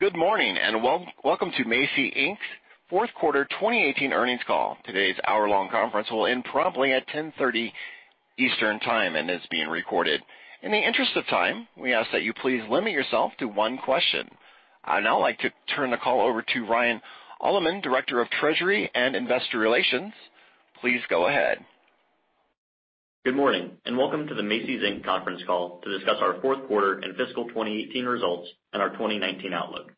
Good morning, welcome to Macy's, Inc.'s fourth quarter 2018 earnings call. Today's hour-long conference will end promptly at 10:30 A.M. Eastern Time and is being recorded. In the interest of time, we ask that you please limit yourself to one question. I'd now like to turn the call over to Ryan Alleman, Director of Treasury and Investor Relations. Please go ahead. Good morning, welcome to the Macy's, Inc. conference call to discuss our fourth quarter and fiscal 2018 results and our 2019 outlook.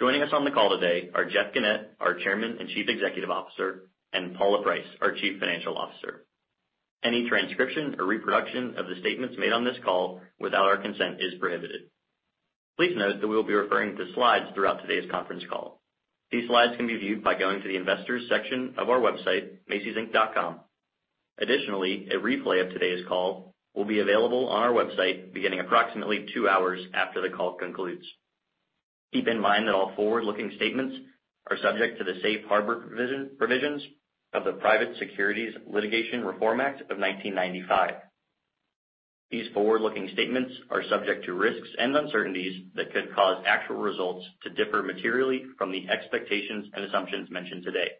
Joining us on the call today are Jeff Gennette, our Chairman and Chief Executive Officer, and Paula Price, our Chief Financial Officer. Any transcription or reproduction of the statements made on this call without our consent is prohibited. Please note that we will be referring to slides throughout today's conference call. These slides can be viewed by going to the Investors section of our website, macysinc.com. Additionally, a replay of today's call will be available on our website beginning approximately two hours after the call concludes. Keep in mind that all forward-looking statements are subject to the Safe Harbor provisions of the Private Securities Litigation Reform Act of 1995. These forward-looking statements are subject to risks and uncertainties that could cause actual results to differ materially from the expectations and assumptions mentioned today.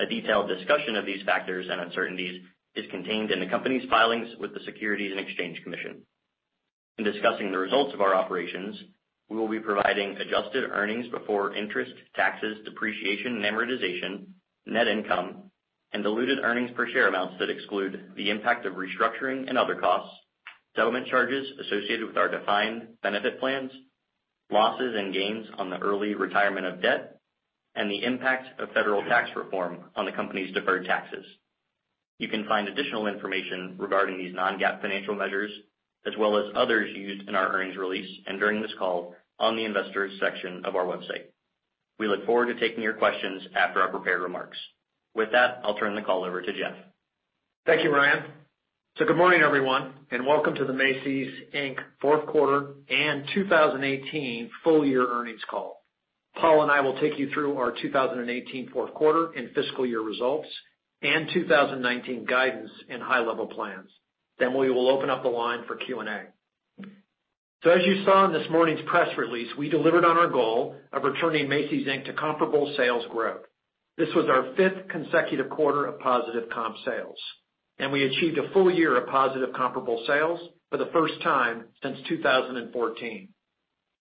A detailed discussion of these factors and uncertainties is contained in the company's filings with the Securities and Exchange Commission. In discussing the results of our operations, we will be providing adjusted earnings before interest, taxes, depreciation, and amortization, net income, and diluted earnings per share amounts that exclude the impact of restructuring and other costs, settlement charges associated with our defined benefit plans, losses and gains on the early retirement of debt, and the impact of Federal Tax Reform on the company's deferred taxes. You can find additional information regarding these non-GAAP financial measures, as well as others used in our earnings release and during this call on the Investors section of our website. We look forward to taking your questions after our prepared remarks. With that, I'll turn the call over to Jeff. Thank you, Ryan. Good morning, everyone, and welcome to the Macy's, Inc. fourth quarter and 2018 full year earnings call. Paula and I will take you through our 2018 fourth quarter and fiscal year results and 2019 guidance and high-level plans. We will open up the line for Q&A. As you saw in this morning's press release, we delivered on our goal of returning Macy's, Inc. to comparable sales growth. This was our fifth consecutive quarter of positive comp sales, and we achieved a full year of positive comparable sales for the first time since 2014.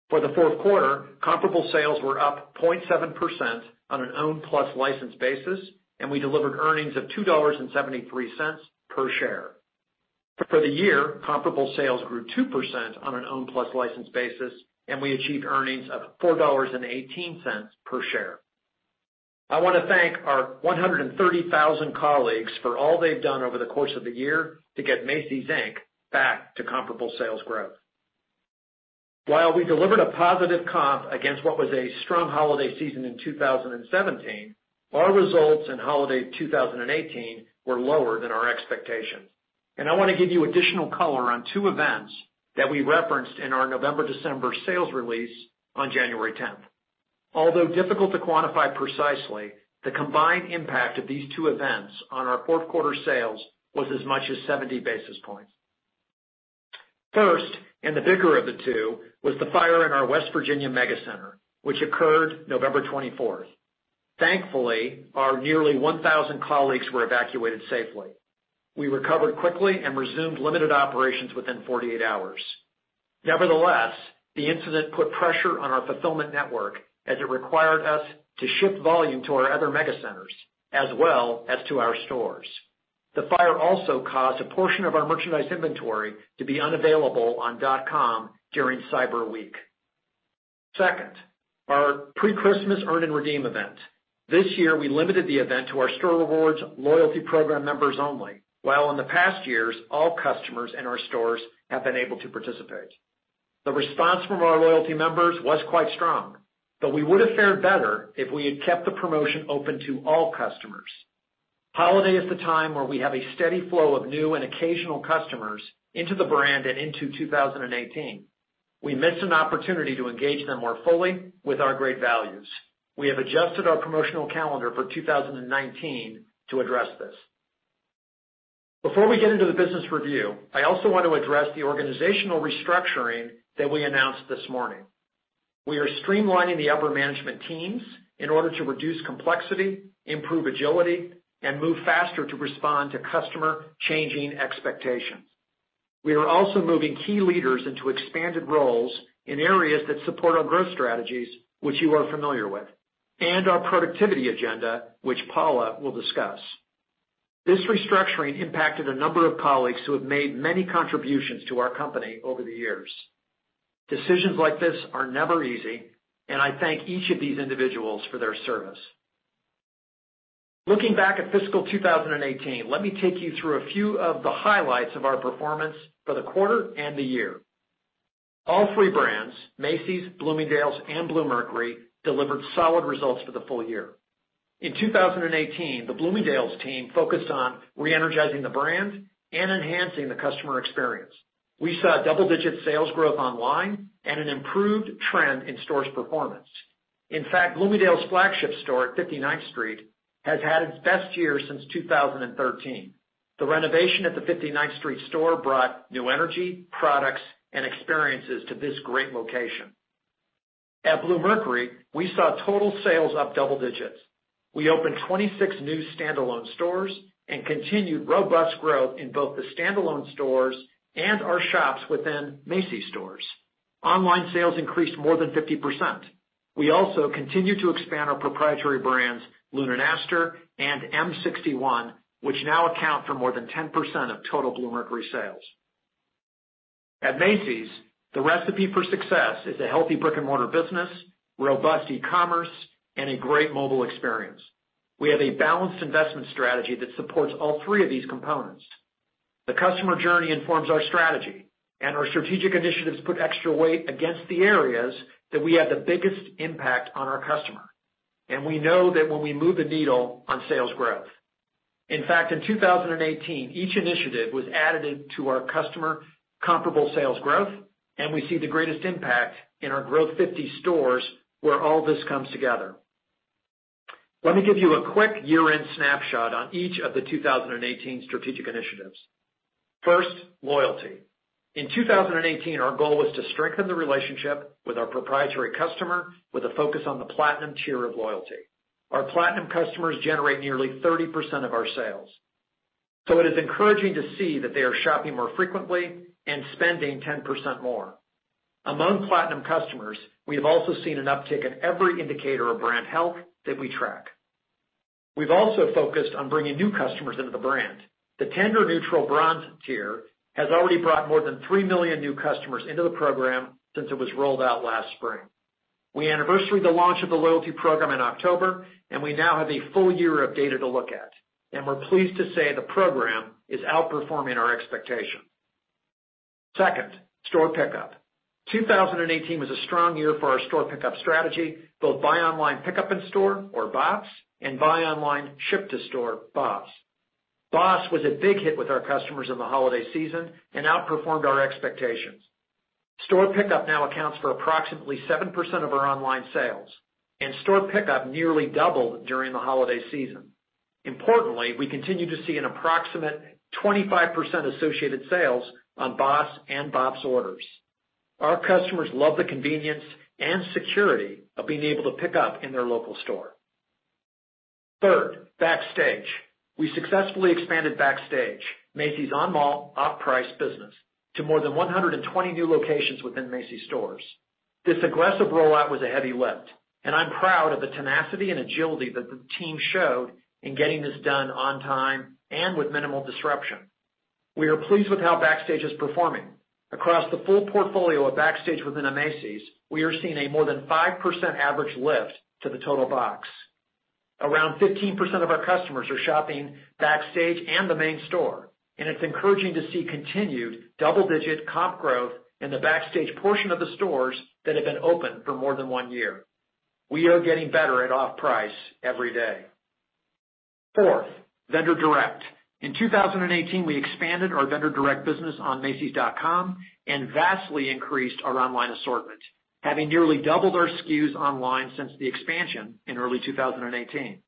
For the fourth quarter, comparable sales were up 0.7% on an owned plus licensed basis, and we delivered earnings of $2.73 per share. For the year, comparable sales grew 2% on an owned plus licensed basis, and we achieved earnings of $4.18 per share. I want to thank our 130,000 colleagues for all they've done over the course of the year to get Macy's, Inc. back to comparable sales growth. While we delivered a positive comp against what was a strong holiday season in 2017, our results in holiday 2018 were lower than our expectations. I want to give you additional color on two events that we referenced in our November-December sales release on January 10th. Although difficult to quantify precisely, the combined impact of these two events on our fourth quarter sales was as much as 70 basis points. First, and the bigger of the two, was the fire in our West Virginia mega center, which occurred November 24th. Thankfully, our nearly 1,000 colleagues were evacuated safely. We recovered quickly and resumed limited operations within 48 hours. Nevertheless, the incident put pressure on our fulfillment network, as it required us to ship volume to our other mega centers, as well as to our stores. The fire also caused a portion of our merchandise inventory to be unavailable on .com during Cyber Week. Second, our pre-Christmas earn and redeem event. This year, we limited the event to our Star Rewards loyalty program members only, while in the past years, all customers in our stores have been able to participate. The response from our loyalty members was quite strong, but we would have fared better if we had kept the promotion open to all customers. Holiday is the time where we have a steady flow of new and occasional customers into the brand and into 2018. We missed an opportunity to engage them more fully with our great values. We have adjusted our promotional calendar for 2019 to address this. Before we get into the business review, I also want to address the organizational restructuring that we announced this morning. We are streamlining the upper management teams in order to reduce complexity, improve agility, and move faster to respond to customer changing expectations. We are also moving key leaders into expanded roles in areas that support our growth strategies, which you are familiar with, and our productivity agenda, which Paula will discuss. This restructuring impacted a number of colleagues who have made many contributions to our company over the years. Decisions like this are never easy, and I thank each of these individuals for their service. Looking back at fiscal 2018, let me take you through a few of the highlights of our performance for the quarter and the year. All three brands, Macy's, Bloomingdale's, and Bluemercury, delivered solid results for the full year. In 2018, the Bloomingdale's team focused on re-energizing the brand and enhancing the customer experience. We saw double-digit sales growth online and an improved trend in stores' performance. In fact, Bloomingdale's flagship store at 59th Street has had its best year since 2013. The renovation at the 59th Street store brought new energy, products, and experiences to this great location. At Bluemercury, we saw total sales up double digits. We opened 26 new standalone stores and continued robust growth in both the standalone stores and our shops within Macy's stores. Online sales increased more than 50%. We also continue to expand our proprietary brands, Lune+Aster and M-61, which now account for more than 10% of total Bluemercury sales. At Macy's, the recipe for success is a healthy brick-and-mortar business, robust e-commerce, and a great mobile experience. We have a balanced investment strategy that supports all three of these components. The customer journey informs our strategy. Our strategic initiatives put extra weight against the areas that we have the biggest impact on our customer, and we know that when we move the needle on sales growth. In fact, in 2018, each initiative was added into our customer comparable sales growth, and we see the greatest impact in our Growth 50 stores where all this comes together. Let me give you a quick year-end snapshot on each of the 2018 strategic initiatives. First, loyalty. In 2018, our goal was to strengthen the relationship with our proprietary customer with a focus on the platinum tier of loyalty. Our platinum customers generate nearly 30% of our sales. It is encouraging to see that they are shopping more frequently and spending 10% more. Among platinum customers, we have also seen an uptick in every indicator of brand health that we track. We've also focused on bringing new customers into the brand. The tender neutral bronze tier has already brought more than three million new customers into the program since it was rolled out last spring. We anniversaried the launch of the loyalty program in October. We now have a full year of data to look at, and we're pleased to say the program is outperforming our expectation. Second, store pickup. 2018 was a strong year for our store pickup strategy, both buy online pickup in store, or BOPS, and buy online, ship to store, BOSS. BOSS was a big hit with our customers in the holiday season and outperformed our expectations. Store pickup now accounts for approximately 7% of our online sales. Store pickup nearly doubled during the holiday season. Importantly, we continue to see an approximate 25% associated sales on BOSS and BOPS orders. Our customers love the convenience and security of being able to pick up in their local store. Third, Backstage. We successfully expanded Backstage, Macy's on mall, off-price business, to more than 120 new locations within Macy's stores. This aggressive rollout was a heavy lift. I'm proud of the tenacity and agility that the team showed in getting this done on time and with minimal disruption. We are pleased with how Backstage is performing. Across the full portfolio of Backstage within a Macy's, we are seeing a more than 5% average lift to the total box. Around 15% of our customers are shopping Backstage and the main store, it's encouraging to see continued double-digit comp growth in the Backstage portion of the stores that have been open for more than one year. We are getting better at off-price every day. Fourth, Vendor Direct. In 2018, we expanded our Vendor Direct business on macys.com and vastly increased our online assortment, having nearly doubled our SKUs online since the expansion in early 2018.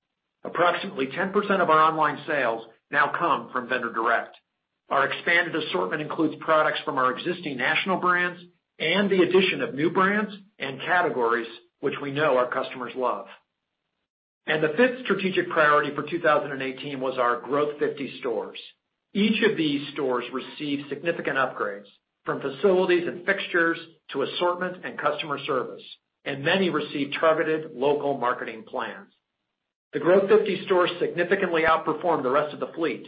Approximately 10% of our online sales now come from Vendor Direct. Our expanded assortment includes products from our existing national brands and the addition of new brands and categories which we know our customers love. The fifth strategic priority for 2018 was our Growth 50 stores. Each of these stores received significant upgrades, from facilities and fixtures to assortment and customer service, and many received targeted local marketing plans. The Growth 50 stores significantly outperformed the rest of the fleet.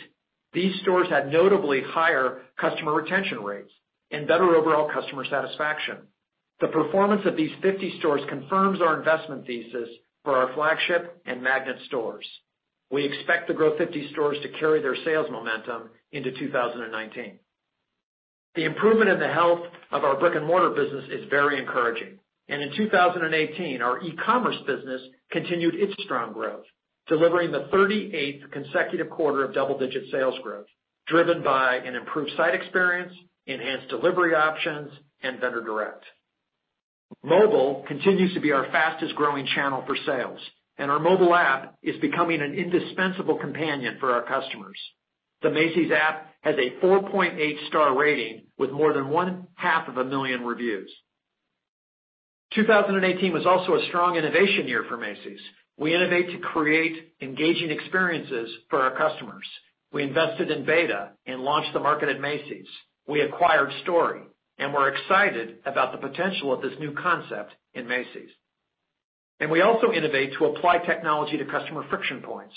These stores had notably higher customer retention rates and better overall customer satisfaction. The performance of these 50 stores confirms our investment thesis for our flagship and magnet stores. We expect the Growth 50 stores to carry their sales momentum into 2019. The improvement in the health of our brick-and-mortar business is very encouraging. In 2018, our e-commerce business continued its strong growth, delivering the 38th consecutive quarter of double-digit sales growth, driven by an improved site experience, enhanced delivery options, and Vendor Direct. Mobile continues to be our fastest-growing channel for sales, and our mobile app is becoming an indispensable companion for our customers. The Macy's app has a 4.8 star rating with more than one-half of a million reviews. 2018 was also a strong innovation year for Macy's. We innovate to create engaging experiences for our customers. We invested in b8ta and launched the Market @ Macy's. We acquired Story, and we're excited about the potential of this new concept in Macy's. We also innovate to apply technology to customer friction points.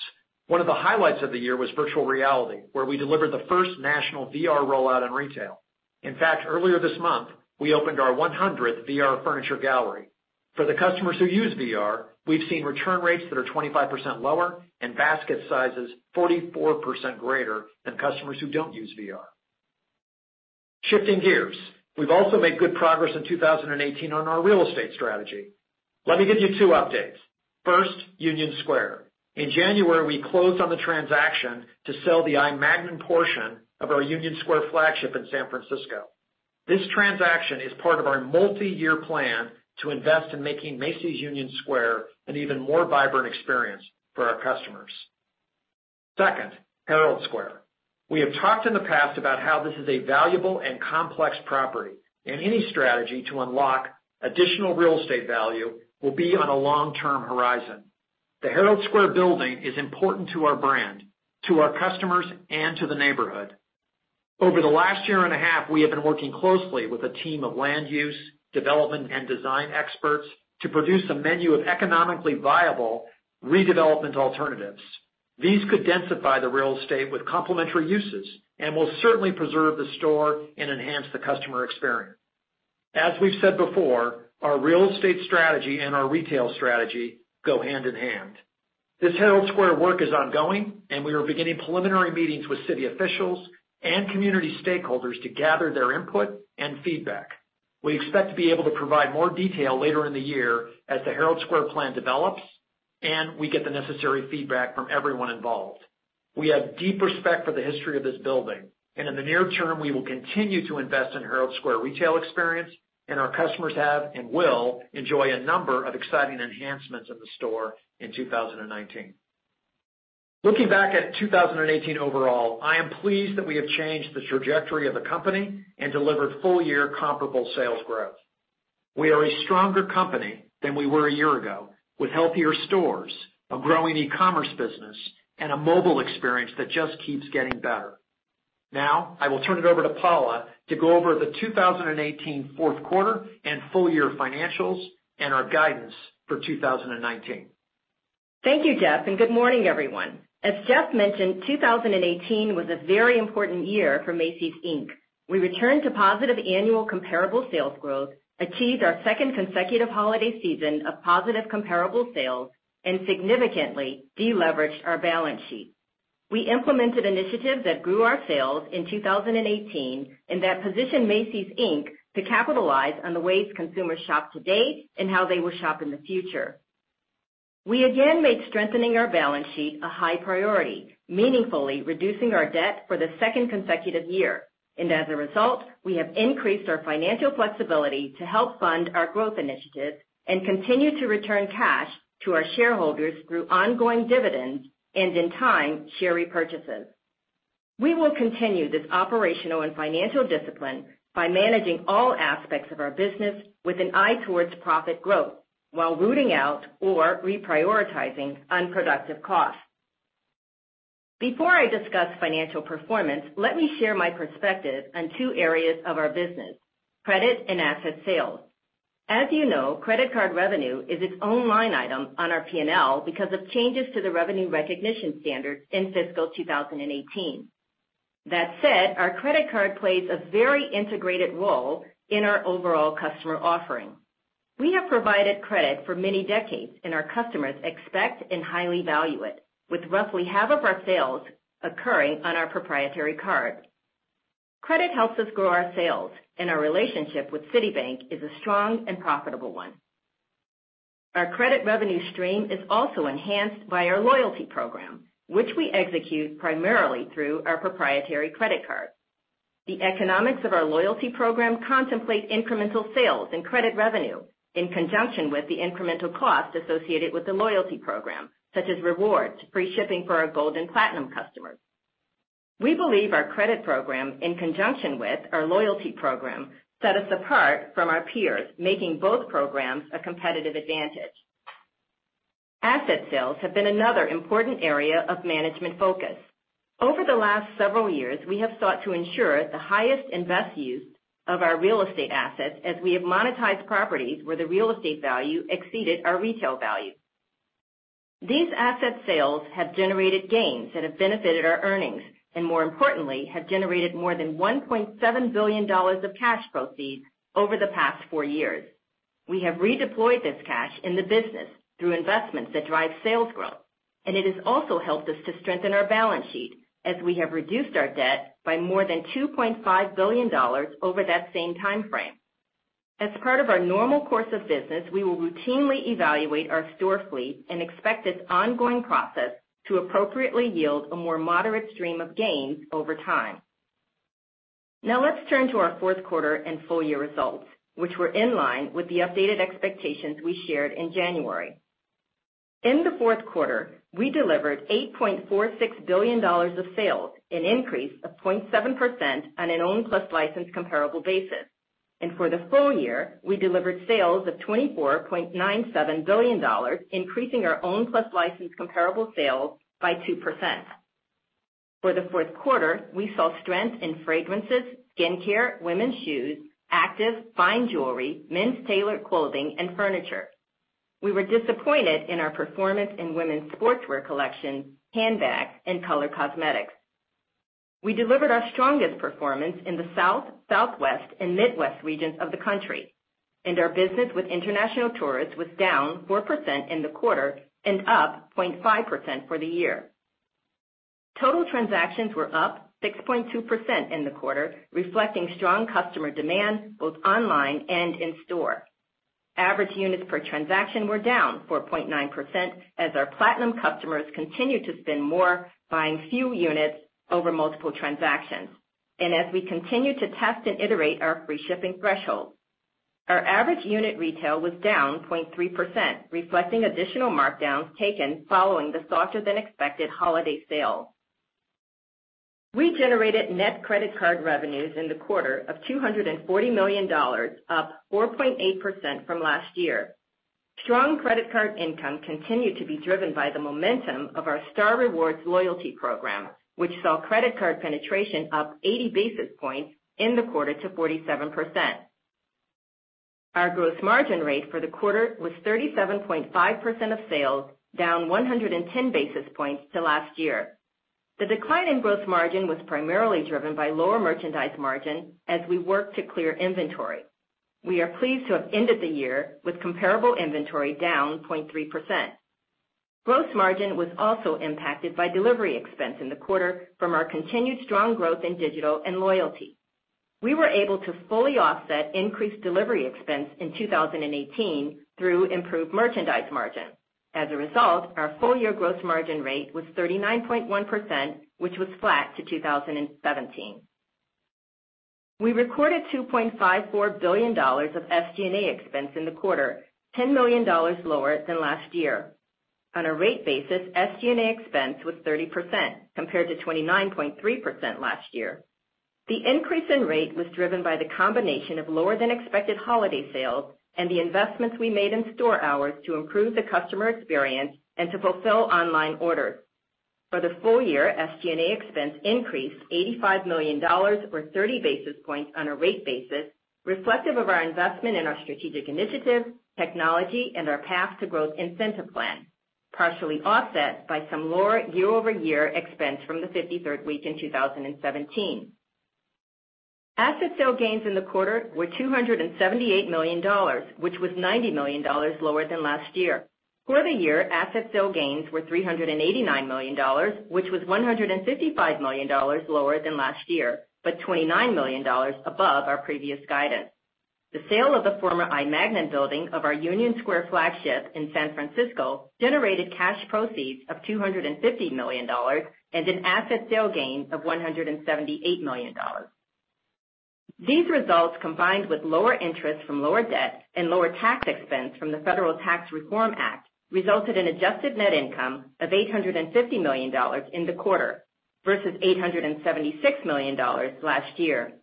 One of the highlights of the year was virtual reality, where we delivered the first national VR rollout in retail. In fact, earlier this month, we opened our 100th VR furniture gallery. For the customers who use VR, we've seen return rates that are 25% lower and basket sizes 44% greater than customers who don't use VR. Shifting gears, we've also made good progress in 2018 on our real estate strategy. Let me give you two updates. First, Union Square. In January, we closed on the transaction to sell the I. Magnin portion of our Union Square flagship in San Francisco. This transaction is part of our multi-year plan to invest in making Macy's Union Square an even more vibrant experience for our customers. Second, Herald Square. We have talked in the past about how this is a valuable and complex property, and any strategy to unlock additional real estate value will be on a long-term horizon. The Herald Square building is important to our brand, to our customers, and to the neighborhood. Over the last year and a half, we have been working closely with a team of land use, development, and design experts to produce a menu of economically viable redevelopment alternatives. These could densify the real estate with complementary uses and will certainly preserve the store and enhance the customer experience. As we've said before, our real estate strategy and our retail strategy go hand in hand. This Herald Square work is ongoing. We are beginning preliminary meetings with city officials and community stakeholders to gather their input and feedback. We expect to be able to provide more detail later in the year as the Herald Square plan develops and we get the necessary feedback from everyone involved. We have deep respect for the history of this building. In the near term, we will continue to invest in Herald Square retail experience. Our customers have and will enjoy a number of exciting enhancements in the store in 2019. Looking back at 2018 overall, I am pleased that we have changed the trajectory of the company and delivered full-year comparable sales growth. We are a stronger company than we were a year ago, with healthier stores, a growing e-commerce business, and a mobile experience that just keeps getting better. Now, I will turn it over to Paula to go over the 2018 fourth quarter and full-year financials and our guidance for 2019. Thank you, Jeff, and good morning, everyone. As Jeff mentioned, 2018 was a very important year for Macy's, Inc. We returned to positive annual comparable sales growth, achieved our second consecutive holiday season of positive comparable sales, and significantly deleveraged our balance sheet. We implemented initiatives that grew our sales in 2018 and that position Macy's, Inc. to capitalize on the ways consumers shop today and how they will shop in the future. We again made strengthening our balance sheet a high priority, meaningfully reducing our debt for the second consecutive year. As a result, we have increased our financial flexibility to help fund our growth initiatives and continue to return cash to our shareholders through ongoing dividends and in time, share repurchases. We will continue this operational and financial discipline by managing all aspects of our business with an eye towards profit growth while rooting out or reprioritizing unproductive costs. Before I discuss financial performance, let me share my perspective on two areas of our business, credit and asset sales. As you know, credit card revenue is its own line item on our P&L because of changes to the revenue recognition standards in fiscal 2018. That said, our credit card plays a very integrated role in our overall customer offering. We have provided credit for many decades. Our customers expect and highly value it, with roughly half of our sales occurring on our proprietary card. Credit helps us grow our sales. Our relationship with Citibank is a strong and profitable one. Our credit revenue stream is also enhanced by our loyalty program, which we execute primarily through our proprietary credit card. The economics of our loyalty program contemplate incremental sales and credit revenue in conjunction with the incremental cost associated with the loyalty program, such as rewards, free shipping for our gold and platinum customers. We believe our credit program, in conjunction with our loyalty program, set us apart from our peers, making both programs a competitive advantage. Asset sales have been another important area of management focus. Over the last several years, we have sought to ensure the highest and best use of our real estate assets as we have monetized properties where the real estate value exceeded our retail value. These asset sales have generated gains that have benefited our earnings, and more importantly, have generated more than $1.7 billion of cash proceeds over the past four years. We have redeployed this cash in the business through investments that drive sales growth. It has also helped us to strengthen our balance sheet as we have reduced our debt by more than $2.5 billion over that same time frame. As part of our normal course of business, we will routinely evaluate our store fleet and expect this ongoing process to appropriately yield a more moderate stream of gains over time. Let's turn to our fourth quarter and full-year results, which were in line with the updated expectations we shared in January. In the fourth quarter, we delivered $8.46 billion of sales, an increase of 0.7% on an own plus licensed comparable basis. For the full year, we delivered sales of $24.97 billion, increasing our own plus licensed comparable sales by 2%. For the fourth quarter, we saw strength in fragrances, skin care, women's shoes, active, fine jewelry, men's tailored clothing, and furniture. We were disappointed in our performance in women's sportswear collection, handbags, and color cosmetics. We delivered our strongest performance in the South, Southwest, and Midwest regions of the country. Our business with international tourists was down 4% in the quarter and up 0.5% for the year. Total transactions were up 6.2% in the quarter, reflecting strong customer demand both online and in store. Average units per transaction were down 4.9% as our platinum customers continued to spend more buying few units over multiple transactions. As we continued to test and iterate our free shipping threshold, our average unit retail was down 0.3%, reflecting additional markdowns taken following the softer-than-expected holiday sale. We generated net credit card revenues in the quarter of $240 million, up 4.8% from last year. Strong credit card income continued to be driven by the momentum of our Star Rewards loyalty program, which saw credit card penetration up 80 basis points in the quarter to 47%. Our gross margin rate for the quarter was 37.5% of sales, down 110 basis points to last year. The decline in gross margin was primarily driven by lower merchandise margin as we worked to clear inventory. We are pleased to have ended the year with comparable inventory down 0.3%. Gross margin was also impacted by delivery expense in the quarter from our continued strong growth in digital and loyalty. We were able to fully offset increased delivery expense in 2018 through improved merchandise margin. As a result, our full-year gross margin rate was 39.1%, which was flat to 2017. We recorded $2.54 billion of SG&A expense in the quarter, $10 million lower than last year. On a rate basis, SG&A expense was 30%, compared to 29.3% last year. The increase in rate was driven by the combination of lower-than-expected holiday sales and the investments we made in store hours to improve the customer experience and to fulfill online orders. For the full year, SG&A expense increased $85 million, or 30 basis points on a rate basis, reflective of our investment in our strategic initiatives, technology, and our Path to Growth incentive plan, partially offset by some lower year-over-year expense from the 53rd week in 2017. Asset sale gains in the quarter were $278 million, which was $90 million lower than last year. For the year, asset sale gains were $389 million, which was $155 million lower than last year, but $29 million above our previous guidance. The sale of the former I. Magnin building of our Union Square flagship in San Francisco generated cash proceeds of $250 million and an asset sale gain of $178 million. These results, combined with lower interest from lower debt and lower tax expense from the Federal Tax Reform Act, resulted in adjusted net income of $850 million in the quarter versus $876 million last year.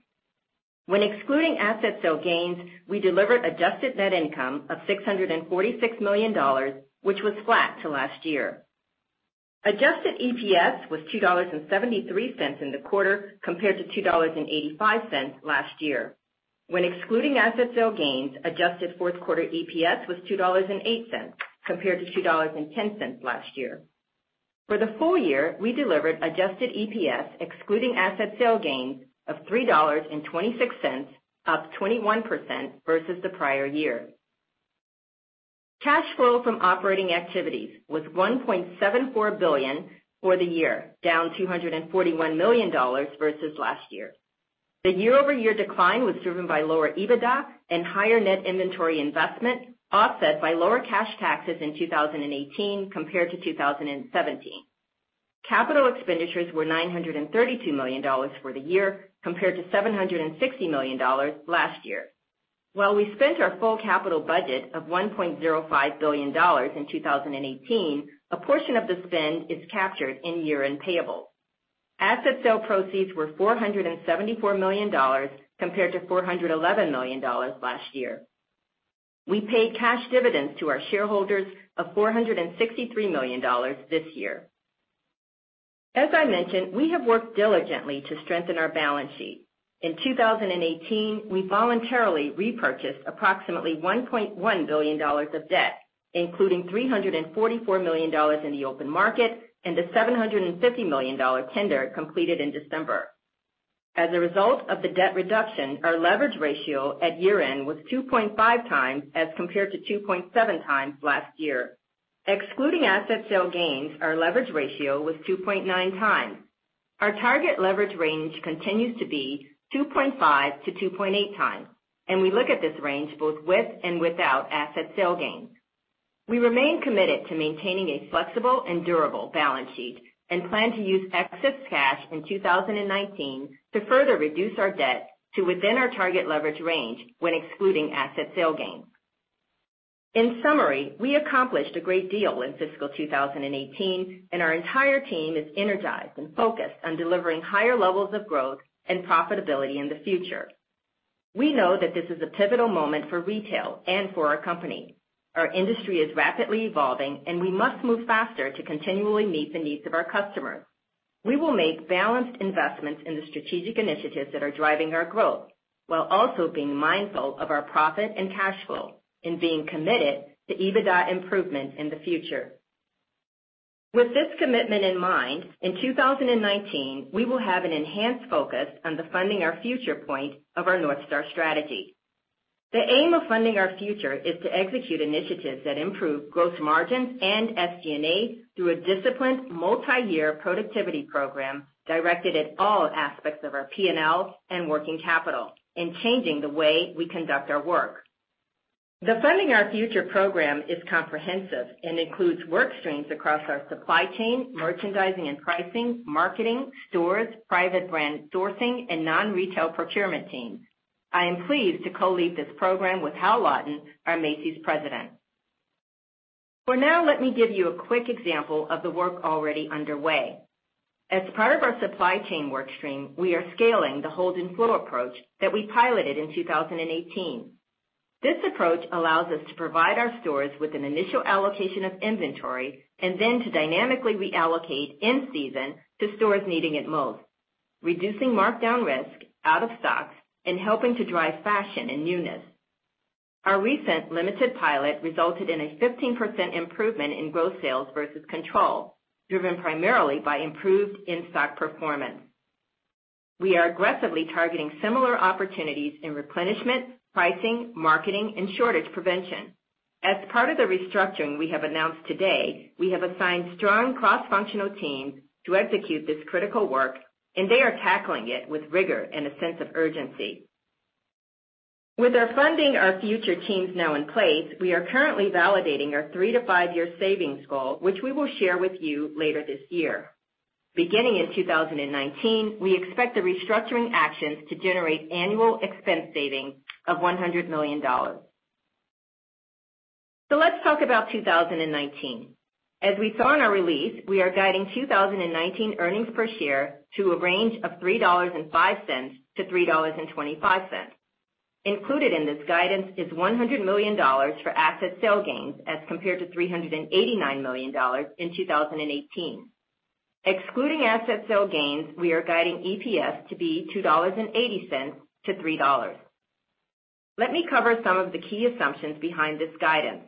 When excluding asset sale gains, we delivered adjusted net income of $646 million, which was flat to last year. Adjusted EPS was $2.73 in the quarter, compared to $2.85 last year. When excluding asset sale gains, adjusted fourth quarter EPS was $2.08, compared to $2.10 last year. For the full year, we delivered adjusted EPS excluding asset sale gains of $3.26, up 21% versus the prior year. Cash flow from operating activities was $1.74 billion for the year, down $241 million versus last year. The year-over-year decline was driven by lower EBITDA and higher net inventory investment, offset by lower cash taxes in 2018 compared to 2017. Capital expenditures were $932 million for the year, compared to $760 million last year. While we spent our full capital budget of $1.05 billion in 2018, a portion of the spend is captured in year-end payables. Asset sale proceeds were $474 million compared to $411 million last year. We paid cash dividends to our shareholders of $463 million this year. As I mentioned, we have worked diligently to strengthen our balance sheet. In 2018, we voluntarily repurchased approximately $1.1 billion of debt, including $344 million in the open market and a $750 million tender completed in December. As a result of the debt reduction, our leverage ratio at year-end was 2.5 times as compared to 2.7 times last year. Excluding asset sale gains, our leverage ratio was 2.9 times. Our target leverage range continues to be 2.5 to 2.8 times, and we look at this range both with and without asset sale gains. We remain committed to maintaining a flexible and durable balance sheet and plan to use excess cash in 2019 to further reduce our debt to within our target leverage range when excluding asset sale gains. In summary, we accomplished a great deal in fiscal 2018, and our entire team is energized and focused on delivering higher levels of growth and profitability in the future. We know that this is a pivotal moment for retail and for our company. Our industry is rapidly evolving, and we must move faster to continually meet the needs of our customers. We will make balanced investments in the strategic initiatives that are driving our growth while also being mindful of our profit and cash flow and being committed to EBITDA improvement in the future. With this commitment in mind, in 2019, we will have an enhanced focus on the Funding Our Future point of our North Star strategy. The aim of Funding Our Future is to execute initiatives that improve gross margins and SG&A through a disciplined multi-year productivity program directed at all aspects of our P&L and working capital and changing the way we conduct our work. The Funding Our Future program is comprehensive and includes work streams across our supply chain, merchandising and pricing, marketing, stores, private brand sourcing, and non-retail procurement teams. I am pleased to co-lead this program with Hal Lawton, our Macy's president. For now, let me give you a quick example of the work already underway. As part of our supply chain workstream, we are scaling the hold and flow approach that we piloted in 2018. This approach allows us to provide our stores with an initial allocation of inventory and then to dynamically reallocate in season to stores needing it most, reducing markdown risk, out of stocks, and helping to drive fashion and newness. Our recent limited pilot resulted in a 15% improvement in growth sales versus control, driven primarily by improved in-stock performance. We are aggressively targeting similar opportunities in replenishment, pricing, marketing, and shortage prevention. As part of the restructuring we have announced today, we have assigned strong cross-functional teams to execute this critical work, they are tackling it with rigor and a sense of urgency. With our Funding Our Future teams now in place, we are currently validating our three to five-year savings goal, which we will share with you later this year. Beginning in 2019, we expect the restructuring actions to generate annual expense savings of $100 million. Let's talk about 2019. As we saw in our release, we are guiding 2019 earnings per share to a range of $3.05 to $3.25. Included in this guidance is $100 million for asset sale gains, as compared to $389 million in 2018. Excluding asset sale gains, we are guiding EPS to be $2.80 to $3. Let me cover some of the key assumptions behind this guidance.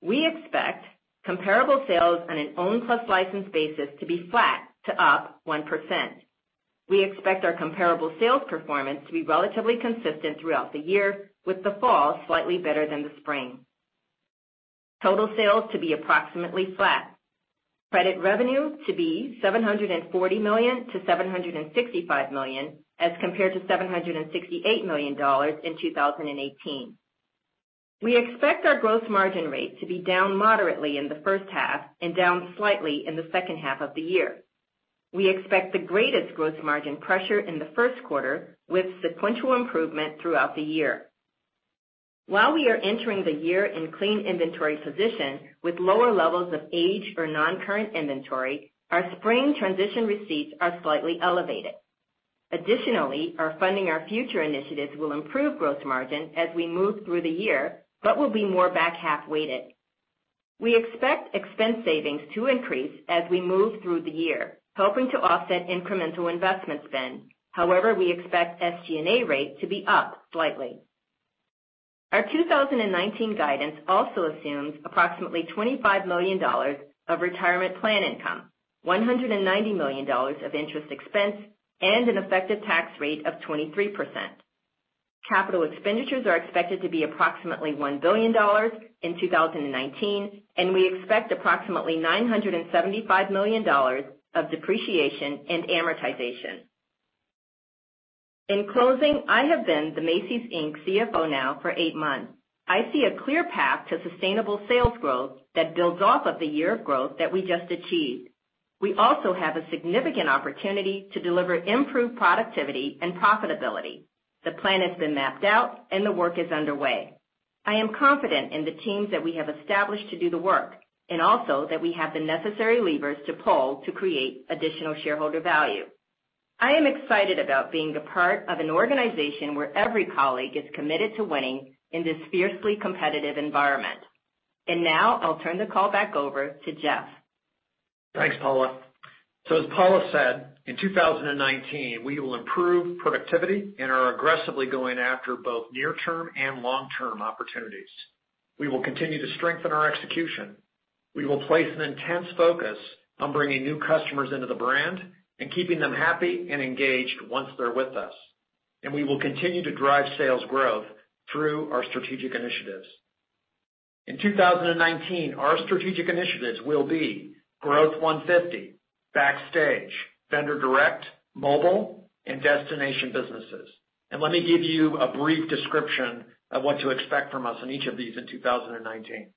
We expect comparable sales on an owned plus licensed basis to be flat to up 1%. We expect our comparable sales performance to be relatively consistent throughout the year, with the fall slightly better than the spring. Total sales to be approximately flat. Credit revenue to be $740 million to $765 million, as compared to $768 million in 2018. We expect our growth margin rate to be down moderately in the first half and down slightly in the second half of the year. We expect the greatest growth margin pressure in the first quarter, with sequential improvement throughout the year. While we are entering the year in clean inventory position with lower levels of age or non-current inventory, our spring transition receipts are slightly elevated. Additionally, our Funding Our Future initiatives will improve growth margin as we move through the year but will be more back-half weighted. We expect expense savings to increase as we move through the year, helping to offset incremental investment spend. We expect SG&A rate to be up slightly. Our 2019 guidance also assumes approximately $25 million of retirement plan income, $190 million of interest expense, and an effective tax rate of 23%. Capital expenditures are expected to be approximately $1 billion in 2019, and we expect approximately $975 million of depreciation and amortization. In closing, I have been the Macy's, Inc. CFO now for eight months. I see a clear path to sustainable sales growth that builds off of the year of growth that we just achieved. We also have a significant opportunity to deliver improved productivity and profitability. The plan has been mapped out and the work is underway. I am confident in the teams that we have established to do the work, and also that we have the necessary levers to pull to create additional shareholder value. I am excited about being a part of an organization where every colleague is committed to winning in this fiercely competitive environment. Now I'll turn the call back over to Jeff. Thanks, Paula. As Paula said, in 2019, we will improve productivity and are aggressively going after both near-term and long-term opportunities. We will continue to strengthen our execution. We will place an intense focus on bringing new customers into the brand and keeping them happy and engaged once they're with us. We will continue to drive sales growth through our strategic initiatives. In 2019, our strategic initiatives will be Growth 150, Backstage, Vendor Direct, mobile, and destination businesses. Let me give you a brief description of what to expect from us on each of these in 2019.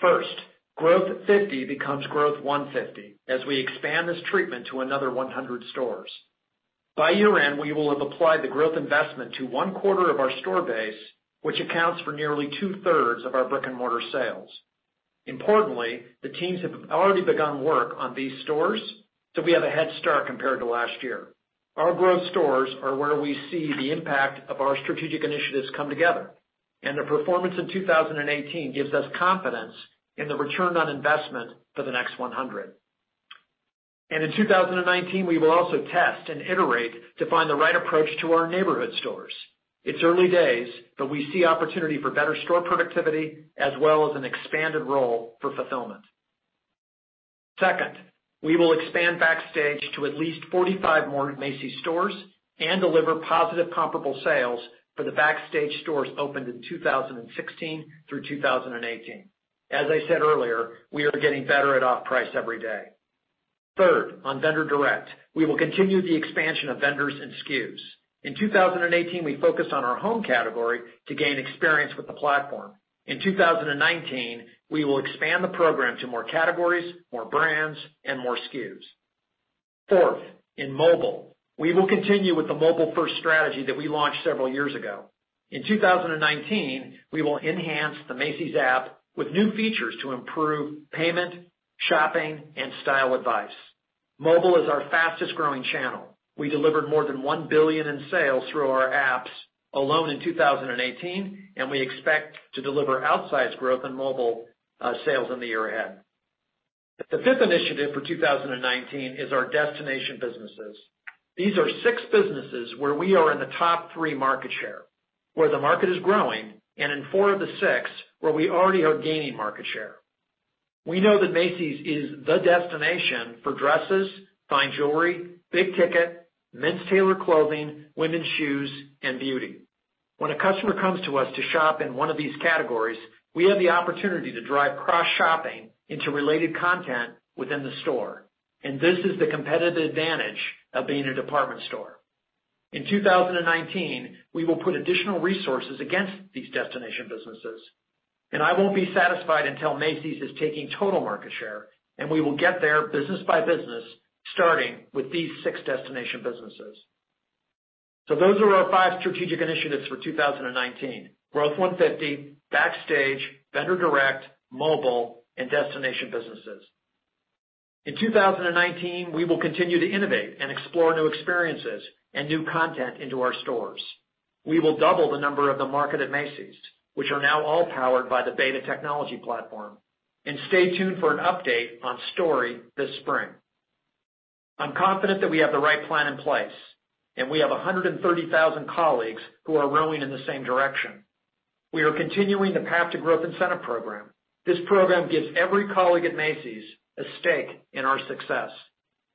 First, Growth 50 becomes Growth 150 as we expand this treatment to another 100 stores. By year-end, we will have applied the growth investment to one-quarter of our store base, which accounts for nearly two-thirds of our brick-and-mortar sales. Importantly, the teams have already begun work on these stores, so we have a head start compared to last year. Our growth stores are where we see the impact of our strategic initiatives come together. The performance in 2018 gives us confidence in the return on investment for the next 100. In 2019, we will also test and iterate to find the right approach to our neighborhood stores. It's early days, but we see opportunity for better store productivity as well as an expanded role for fulfillment. Second, we will expand Backstage to at least 45 more Macy's stores and deliver positive comparable sales for the Backstage stores opened in 2016 through 2018. As I said earlier, we are getting better at off-price every day. Third, on Vendor Direct, we will continue the expansion of vendors and SKUs. In 2018, we focused on our home category to gain experience with the platform. In 2019, we will expand the program to more categories, more brands, and more SKU. Fourth, in mobile, we will continue with the mobile-first strategy that we launched several years ago. In 2019, we will enhance the Macy's app with new features to improve payment, shopping, and style advice. Mobile is our fastest-growing channel. We delivered more than $1 billion in sales through our apps alone in 2018, and we expect to deliver outsized growth in mobile sales in the year ahead. The fifth initiative for 2019 is our destination businesses. These are six businesses where we are in the top three market share, where the market is growing, and in four of the six, where we already are gaining market share. We know that Macy's is the destination for dresses, fine jewelry, big ticket, men's tailored clothing, women's shoes, and beauty. This is the competitive advantage of being a department store. In 2019, we will put additional resources against these destination businesses, I won't be satisfied until Macy's is taking total market share, and we will get there business by business, starting with these six destination businesses. Those are our five strategic initiatives for 2019. Growth 150, Backstage, Vendor Direct, mobile, and destination businesses. We will continue to innovate and explore new experiences and new content into our stores. We will double the number of the Market @ Macy's, which are now all powered by the b8ta technology platform. Stay tuned for an update on Story this spring. I'm confident that we have the right plan in place, and we have 130,000 colleagues who are rowing in the same direction. We are continuing the Path to Growth incentive program. This program gives every colleague at Macy's a stake in our success,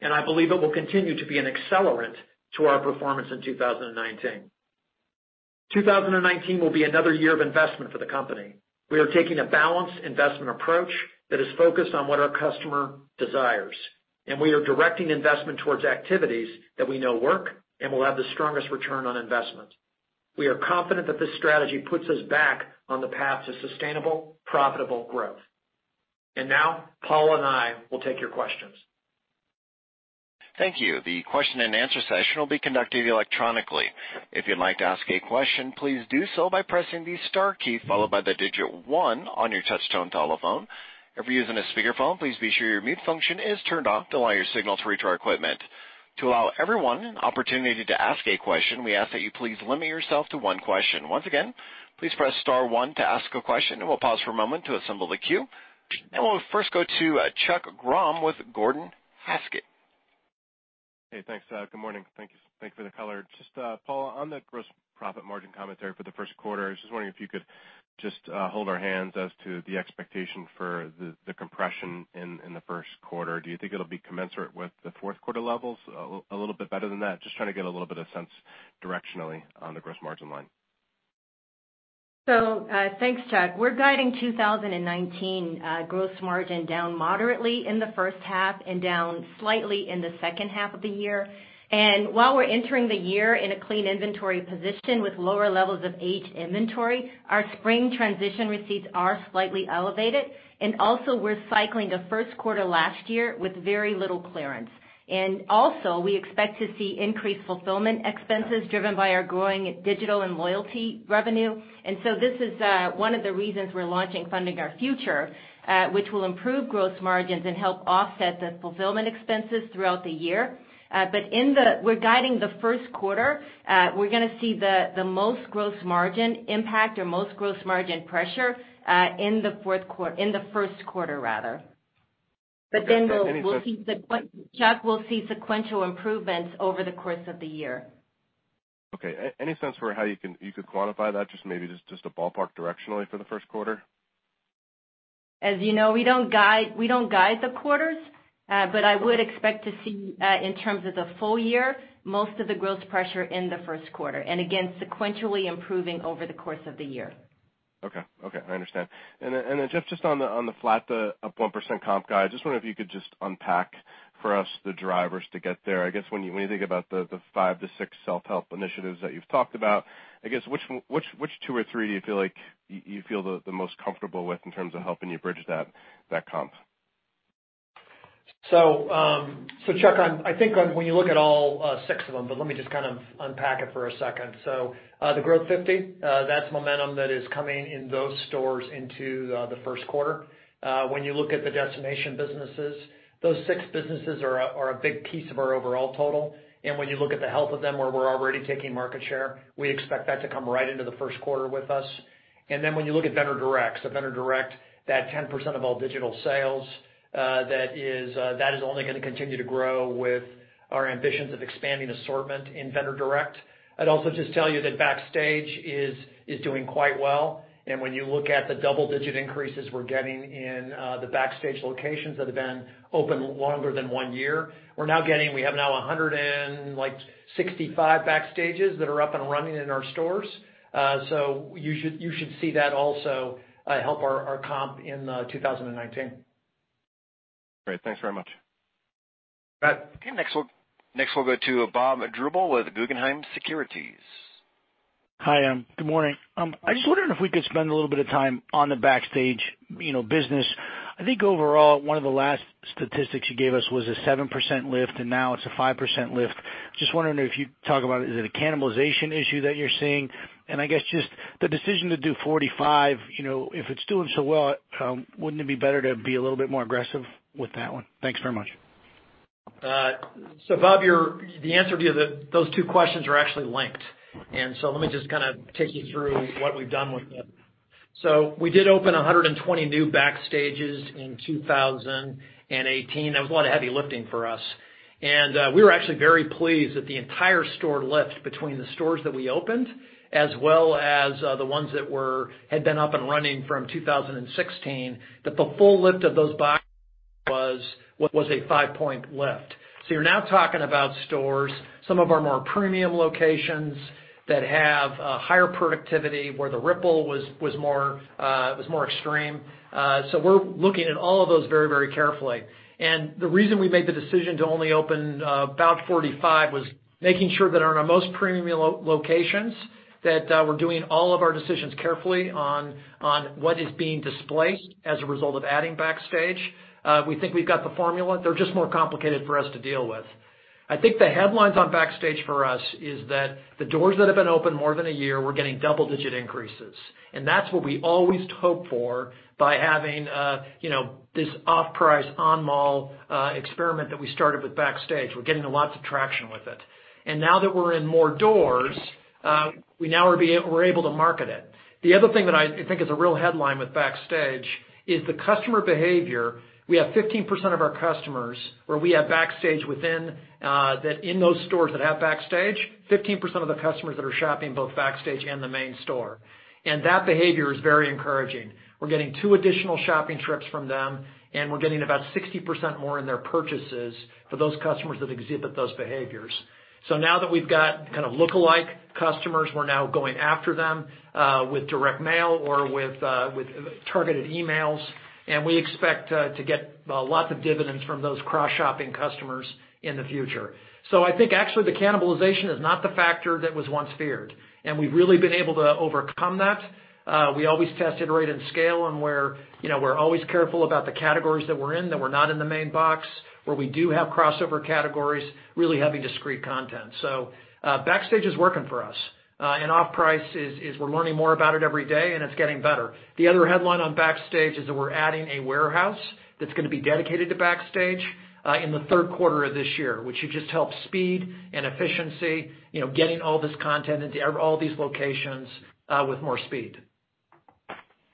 I believe it will continue to be an accelerant to our performance in 2019. 2019 will be another year of investment for the company. We are taking a balanced investment approach that is focused on what our customer desires, and we are directing investment towards activities that we know work and will have the strongest return on investment. We are confident that this strategy puts us back on the path to sustainable, profitable growth. Now, Paula and I will take your questions. Thank you. The question and answer session will be conducted electronically. If you'd like to ask a question, please do so by pressing the star key followed by the digit 1 on your touch-tone telephone. If you're using a speakerphone, please be sure your mute function is turned off to allow your signal to reach our equipment. To allow everyone an opportunity to ask a question, we ask that you please limit yourself to one question. Once again, please press star one to ask a question, we'll pause for a moment to assemble the queue. We'll first go to Chuck Grom with Gordon Haskett. Hey, thanks. Good morning. Thank you for the color. Just, Paula, on the gross profit margin commentary for the first quarter, I was just wondering if you could just hold our hands as to the expectation for the compression in the first quarter. Do you think it'll be commensurate with the fourth quarter levels? A little bit better than that? Just trying to get a little bit of sense directionally on the gross margin line. Thanks, Chuck. We're guiding 2019 gross margin down moderately in the first half and down slightly in the second half of the year. While we're entering the year in a clean inventory position with lower levels of aged inventory, our spring transition receipts are slightly elevated. Also, we're cycling a first quarter last year with very little clearance. Also, we expect to see increased fulfillment expenses driven by our growing digital and loyalty revenue. This is one of the reasons we're launching Funding Our Future, which will improve gross margins and help offset the fulfillment expenses throughout the year. We're guiding the first quarter. We're going to see the most gross margin impact or most gross margin pressure in the first quarter. Chuck, we'll see sequential improvements over the course of the year. Okay. Any sense for how you could quantify that, just maybe just a ballpark directionally for the first quarter? As you know, we don't guide the quarters, I would expect to see, in terms of the full year, most of the gross pressure in the first quarter. Again, sequentially improving over the course of the year. Okay. I understand. Jeff, just on the flat to up 1% comp guide, I just wonder if you could just unpack for us the drivers to get there. I guess when you think about the five to six self-help initiatives that you've talked about, I guess which two or three do you feel the most comfortable with in terms of helping you bridge that comp? Chuck, I think when you look at all six of them, let me just kind of unpack it for a second. The Growth 50, that's momentum that is coming in those stores into the first quarter. When you look at the destination businesses, those six businesses are a big piece of our overall total. When you look at the health of them where we're already taking market share, we expect that to come right into the first quarter with us. When you look at Vendor Direct, Vendor Direct, that 10% of all digital sales, that is only going to continue to grow with our ambitions of expanding assortment in Vendor Direct. I'd also just tell you that Backstage is doing quite well, and when you look at the double-digit increases we're getting in the Backstage locations that have been open longer than one year. We have now 165 Backstages that are up and running in our stores. You should see that also help our comp in 2019. Great. Thanks very much. Matt. Okay, next we'll go to Bob Drbul with Guggenheim Securities. Hi, good morning. I just wondered if we could spend a little bit of time on the Backstage business. I think overall, one of the last statistics you gave us was a 7% lift, and now it's a 5% lift. Just wondering if you'd talk about it. Is it a cannibalization issue that you're seeing? I guess just the decision to do 45, if it's doing so well, wouldn't it be better to be a little bit more aggressive with that one? Thanks very much. Bob, the answer to you that those two questions are actually linked. Let me just kind of take you through what we've done with it. We did open 120 new Backstages in 2018. That was a lot of heavy lifting for us. We were actually very pleased that the entire store lift between the stores that we opened, as well as the ones that had been up and running from 2016, that the full lift of those box was a five-point lift. You're now talking about stores, some of our more premium locations that have a higher productivity, where the ripple was more extreme. We're looking at all of those very carefully. The reason we made the decision to only open about 45 was making sure that in our most premium locations, that we're doing all of our decisions carefully on what is being displaced as a result of adding Backstage. We think we've got the formula. They're just more complicated for us to deal with. I think the headlines on Backstage for us is that the doors that have been open more than a year, we're getting double digit increases. That's what we always hope for by having this off-price, on-mall experiment that we started with Backstage. We're getting lots of traction with it. Now that we're in more doors, we now are able to market it. The other thing that I think is a real headline with Backstage is the customer behavior. We have 15% of our customers where we have Backstage within That in those stores that have Backstage, 15% of the customers that are shopping both Backstage and the main store. That behavior is very encouraging. We're getting two additional shopping trips from them, and we're getting about 60% more in their purchases for those customers that exhibit those behaviors. Now that we've got kind of lookalike customers, we're now going after them, with direct mail or with targeted emails, and we expect to get lots of dividends from those cross-shopping customers in the future. I think actually the cannibalization is not the factor that was once feared, and we've really been able to overcome that. We always test iterate and scale on where we're always careful about the categories that we're in, that we're not in the main box, where we do have crossover categories, really heavy discrete content. Backstage is working for us. Off-price is we're learning more about it every day, and it's getting better. The other headline on Backstage is that we're adding a warehouse that's gonna be dedicated to Backstage, in the third quarter of this year, which should just help speed and efficiency, getting all this content into all these locations with more speed.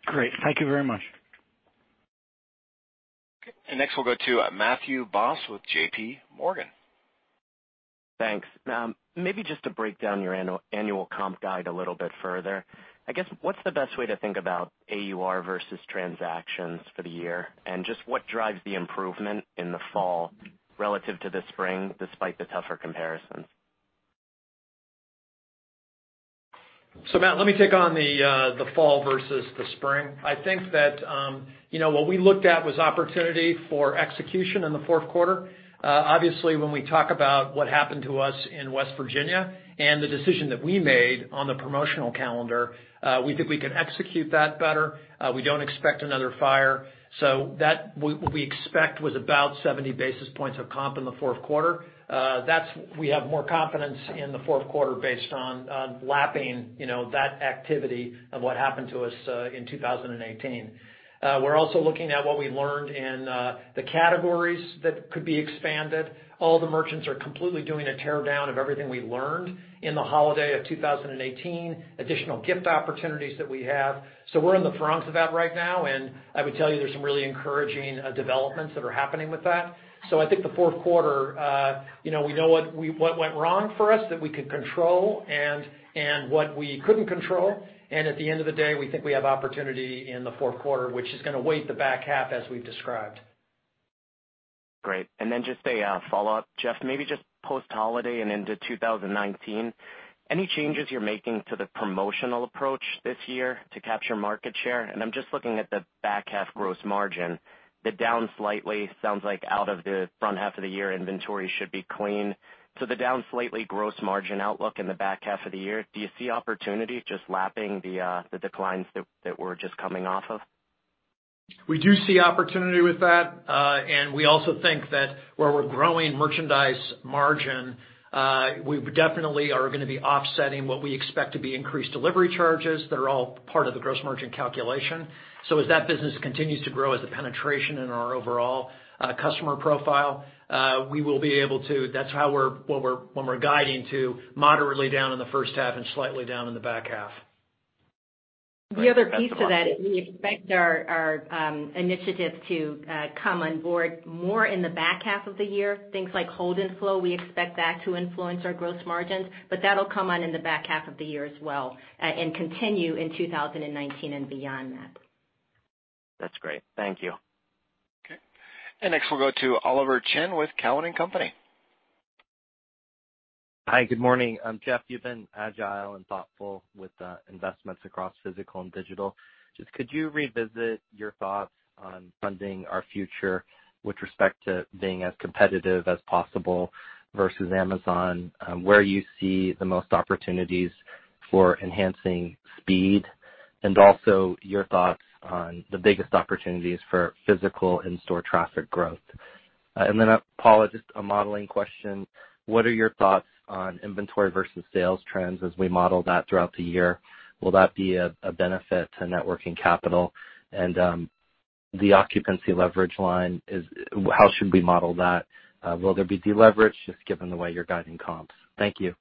Great. Thank you very much. Okay. Next we'll go to Matthew Boss with JPMorgan. Thanks. Maybe just to break down your annual comp guide a little bit further. What's the best way to think about AUR versus transactions for the year? What drives the improvement in the fall relative to the spring despite the tougher comparisons? Matt, let me take on the fall versus the spring. I think that what we looked at was opportunity for execution in the fourth quarter. Obviously, when we talk about what happened to us in West Virginia and the decision that we made on the promotional calendar, we think we can execute that better. We don't expect another fire. What we expect was about 70 basis points of comp in the fourth quarter. We have more confidence in the fourth quarter based on lapping that activity of what happened to us in 2018. We're also looking at what we learned in the categories that could be expanded. All the merchants are completely doing a teardown of everything we learned in the holiday of 2018, additional gift opportunities that we have. We're in the throes of that right now, and I would tell you there's some really encouraging developments that are happening with that. I think the fourth quarter, we know what went wrong for us that we could control and what we couldn't control. At the end of the day, we think we have opportunity in the fourth quarter, which is gonna weight the back half as we've described. Great. Jeff, maybe just post-holiday and into 2019, any changes you're making to the promotional approach this year to capture market share? I'm just looking at the back half gross margin. The down slightly sounds like out of the front half of the year inventory should be clean. The down slightly gross margin outlook in the back half of the year, do you see opportunity just lapping the declines that we're just coming off of? We do see opportunity with that. We also think that where we're growing merchandise margin, we definitely are gonna be offsetting what we expect to be increased delivery charges that are all part of the gross margin calculation. As that business continues to grow as a penetration in our overall customer profile, That's what we're guiding to moderately down in the first half and slightly down in the back half. Great. That's all. The other piece to that, we expect our initiatives to come on board more in the back half of the year. Things like hold and flow, we expect that to influence our gross margins, but that'll come on in the back half of the year as well and continue in 2019 and beyond that. That's great. Thank you. Okay. Next we'll go to Oliver Chen with Cowen and Company. Hi, good morning. Jeff, you've been agile and thoughtful with the investments across physical and digital. Just could you revisit your thoughts on Funding Our Future with respect to being as competitive as possible versus Amazon, where you see the most opportunities for enhancing speed, and also your thoughts on the biggest opportunities for physical in-store traffic growth? Then, Paula, just a modeling question. What are your thoughts on inventory versus sales trends as we model that throughout the year? Will that be a benefit to networking capital and the occupancy leverage line? How should we model that? Will there be deleverage just given the way you're guiding comps? Thank you.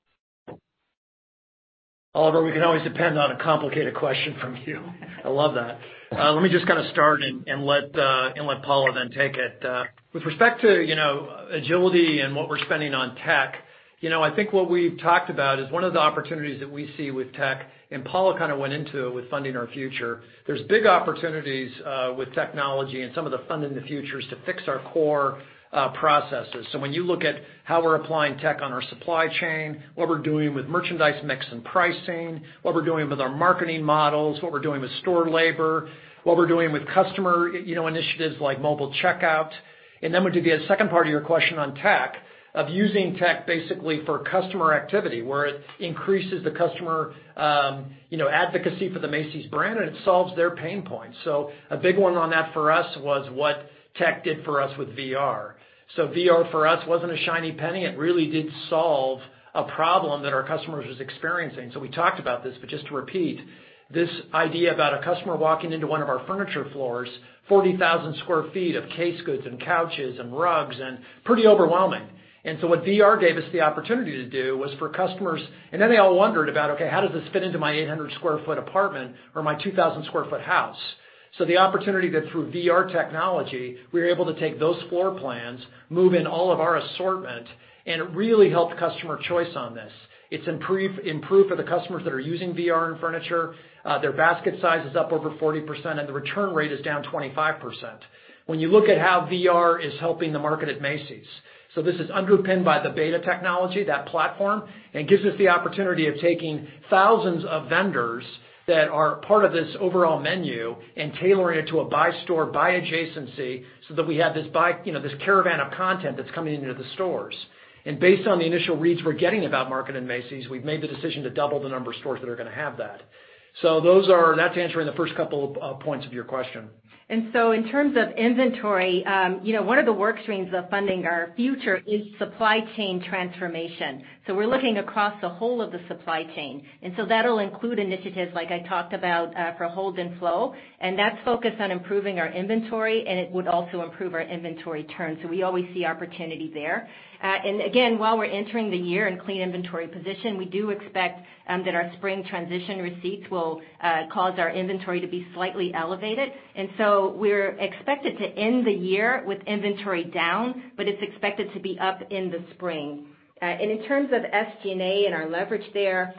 Oliver, we can always depend on a complicated question from you. I love that. Let me just kind of start and let Paula then take it. With respect to agility and what we're spending on tech, I think what we've talked about is one of the opportunities that we see with tech, and Paula kind of went into it with Funding Our Future. There's big opportunities with technology and some of the funding the futures to fix our core processes. When you look at how we're applying tech on our supply chain, what we're doing with merchandise mix and pricing, what we're doing with our marketing models, what we're doing with store labor, what we're doing with customer initiatives like mobile checkout. Then we do the second part of your question on tech, of using tech basically for customer activity, where it increases the customer advocacy for the Macy's brand, and it solves their pain points. A big one on that for us was what tech did for us with VR. VR for us wasn't a shiny penny. It really did solve a problem that our customers was experiencing. We talked about this, but just to repeat, this idea about a customer walking into one of our furniture floors, 40,000 square feet of case goods and couches and rugs and pretty overwhelming. What VR gave us the opportunity to do was for customers, and then they all wondered about, okay, how does this fit into my 800 square foot apartment or my 2,000 square foot house? The opportunity that through VR technology, we were able to take those floor plans, move in all of our assortment, and it really helped customer choice on this. It's improved for the customers that are using VR in furniture. Their basket size is up over 40%, and the return rate is down 25%. When you look at how VR is helping to Market @ Macy's. This is underpinned by the b8ta technology, that platform, and gives us the opportunity of taking thousands of vendors that are part of this overall menu and tailoring it to a buy store, buy adjacency, so that we have this caravan of content that's coming into the stores. Based on the initial reads we're getting about Market @ Macy's, we've made the decision to double the number of stores that are going to have that. That's answering the first couple of points of your question. In terms of inventory, one of the work streams of Funding Our Future is supply chain transformation. We're looking across the whole of the supply chain, that'll include initiatives like I talked about for hold and flow, and that's focused on improving our inventory, and it would also improve our inventory turn. We always see opportunity there. Again, while we're entering the year in clean inventory position, we do expect that our spring transition receipts will cause our inventory to be slightly elevated. We're expected to end the year with inventory down, but it's expected to be up in the spring. In terms of SG&A and our leverage there,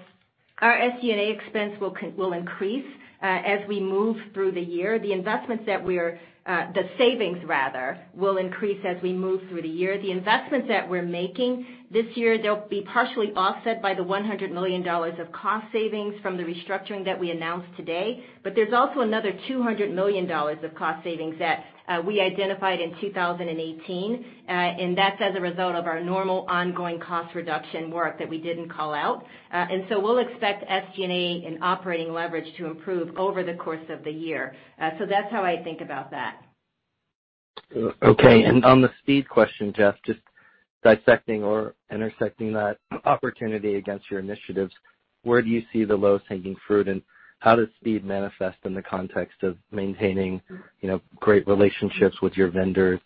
our SG&A expense will increase as we move through the year. The savings rather, will increase as we move through the year. The investments that we're making this year, they'll be partially offset by the $100 million of cost savings from the restructuring that we announced today. There's also another $200 million of cost savings that we identified in 2018. That's as a result of our normal ongoing cost reduction work that we didn't call out. We'll expect SG&A and operating leverage to improve over the course of the year. That's how I think about that. On the speed question, Jeff, just dissecting or intersecting that opportunity against your initiatives, where do you see the lowest hanging fruit, and how does speed manifest in the context of maintaining great relationships with your vendors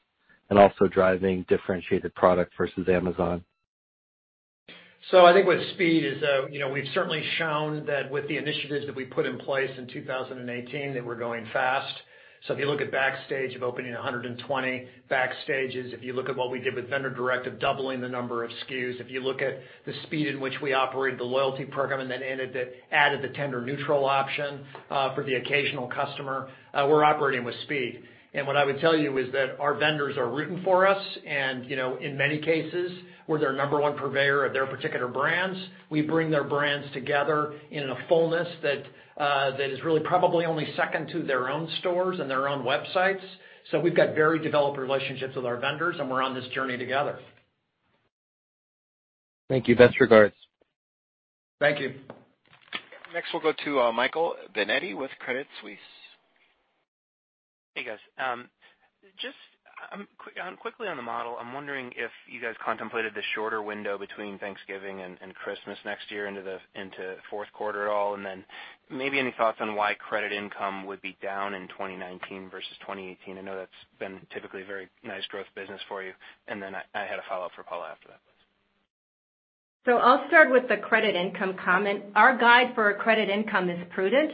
and also driving differentiated product versus Amazon? I think with speed is, we've certainly shown that with the initiatives that we put in place in 2018, that we're going fast. If you look at Macy's Backstage of opening 120 Backstages, if you look at what we did with Vendor Direct, doubling the number of SKUs, if you look at the speed in which we operated the Star Rewards program and then added the tender neutral option for the occasional customer, we're operating with speed. What I would tell you is that our vendors are rooting for us, and in many cases, we're their number one purveyor of their particular brands. We bring their brands together in a fullness that is really probably only second to their own stores and their own websites. We've got very developed relationships with our vendors, and we're on this journey together. Thank you. Best regards. Thank you. Next, we'll go to Michael Binetti with Credit Suisse. Hey, guys. Just quickly on the model, I'm wondering if you guys contemplated the shorter window between Thanksgiving and Christmas next year into fourth quarter at all, then maybe any thoughts on why credit income would be down in 2019 versus 2018. I know that's been typically a very nice growth business for you. Then I had a follow-up for Paula after that. I'll start with the credit income comment. Our guide for credit income is prudent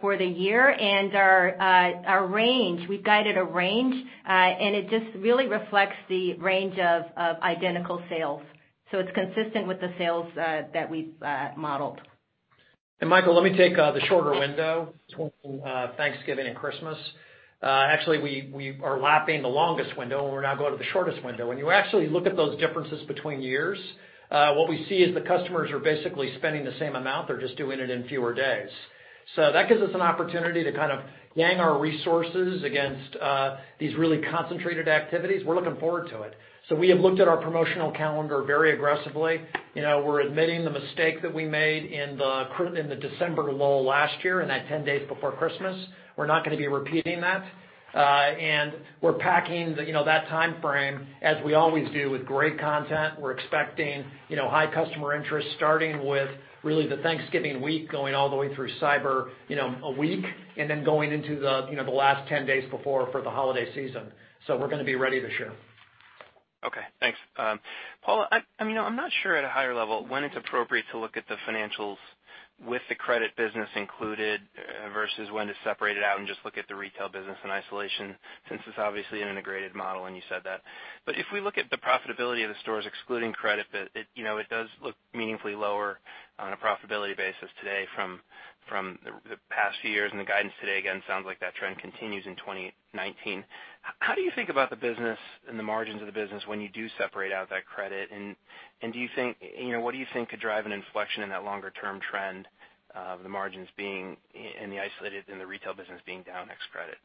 for the year and our range, we've guided a range, and it just really reflects the range of identical sales. It's consistent with the sales that we've modeled. Michael, let me take the shorter window between Thanksgiving and Christmas. Actually, we are lapping the longest window, and we're now going to the shortest window. When you actually look at those differences between years, what we see is the customers are basically spending the same amount. They're just doing it in fewer days. That gives us an opportunity to kind of gang our resources against these really concentrated activities. We're looking forward to it. We have looked at our promotional calendar very aggressively. We're admitting the mistake that we made in the December lull last year, in that 10 days before Christmas. We're not going to be repeating that. We're packing that time frame, as we always do, with great content. We're expecting high customer interest, starting with really the Thanksgiving Week, going all the way through Cyber Week, and then going into the last 10 days before for the holiday season. We're going to be ready to share. Okay, thanks. Paula, I'm not sure at a higher level when it's appropriate to look at the financials with the credit business included versus when to separate it out and just look at the retail business in isolation, since it's obviously an integrated model, and you said that. If we look at the profitability of the stores excluding credit, it does look meaningfully lower on a profitability basis today from the past few years. The guidance today, again, sounds like that trend continues in 2019. How do you think about the business and the margins of the business when you do separate out that credit? What do you think could drive an inflection in that longer-term trend of the margins being, and the isolated and the retail business being down ex credit?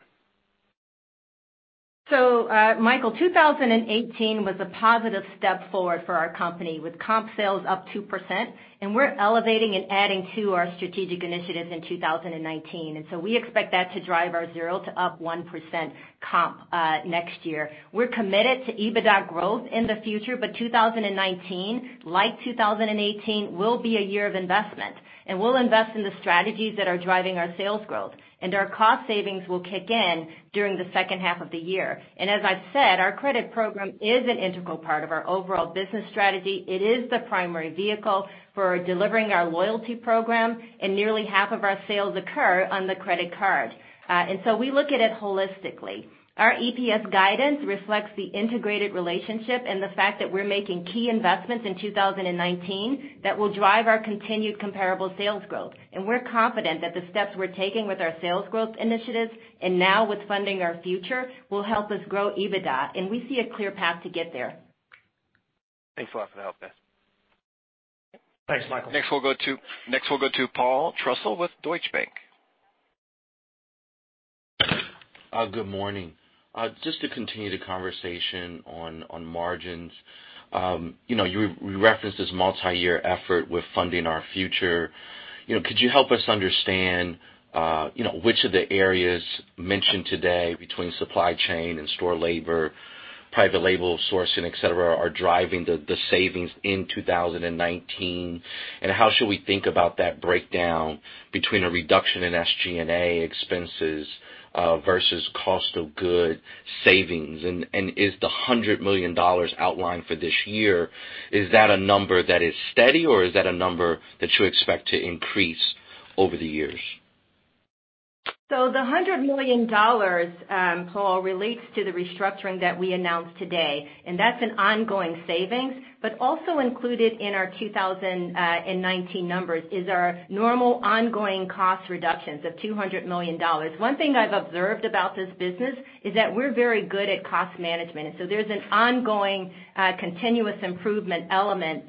Michael, 2018 was a positive step forward for our company, with comp sales up 2%, and we're elevating and adding to our strategic initiatives in 2019. We expect that to drive our 0 to up 1% comp, next year. We're committed to EBITDA growth in the future, 2019, like 2018, will be a year of investment. We'll invest in the strategies that are driving our sales growth. Our cost savings will kick in during the second half of the year. As I've said, our credit program is an integral part of our overall business strategy. It is the primary vehicle for delivering our loyalty program, and nearly half of our sales occur on the credit card. We look at it holistically. Our EPS guidance reflects the integrated relationship and the fact that we're making key investments in 2019 that will drive our continued comparable sales growth. We're confident that the steps we're taking with our sales growth initiatives and now with Funding Our Future will help us grow EBITDA, and we see a clear path to get there. Thanks a lot for the help, guys. Thanks, Michael. Next, we'll go to Paul Trussell with Deutsche Bank. Good morning. Just to continue the conversation on margins. You referenced this multi-year effort with Funding Our Future. Could you help us understand which of the areas mentioned today between supply chain and store labor, private label sourcing, et cetera, are driving the savings in 2019? How should we think about that breakdown between a reduction in SGA expenses versus cost of goods savings? Is the $100 million outlined for this year, is that a number that is steady, or is that a number that you expect to increase over the years? The $100 million, Paul, relates to the restructuring that we announced today, and that's an ongoing savings. Also included in our 2019 numbers is our normal ongoing cost reductions of $200 million. One thing I've observed about this business is that we're very good at cost management. There's an ongoing continuous improvement element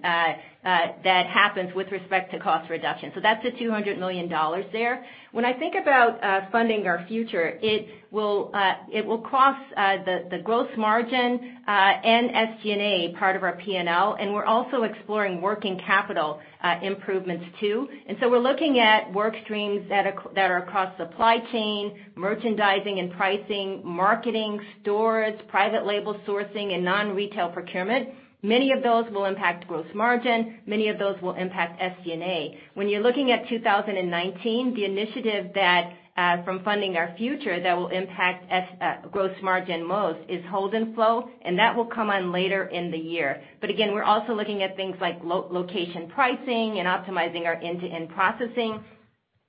that happens with respect to cost reduction. That's the $200 million there. When I think about Funding Our Future, it will cross the gross margin and SG&A part of our P&L, and we're also exploring working capital improvements, too. We're looking at work streams that are across supply chain, merchandising and pricing, marketing, stores, private label sourcing, and non-retail procurement. Many of those will impact gross margin. Many of those will impact SG&A. When you're looking at 2019, the initiative from Funding Our Future that will impact gross margin most is hold and flow, and that will come on later in the year. Again, we're also looking at things like location pricing and optimizing our end-to-end processing.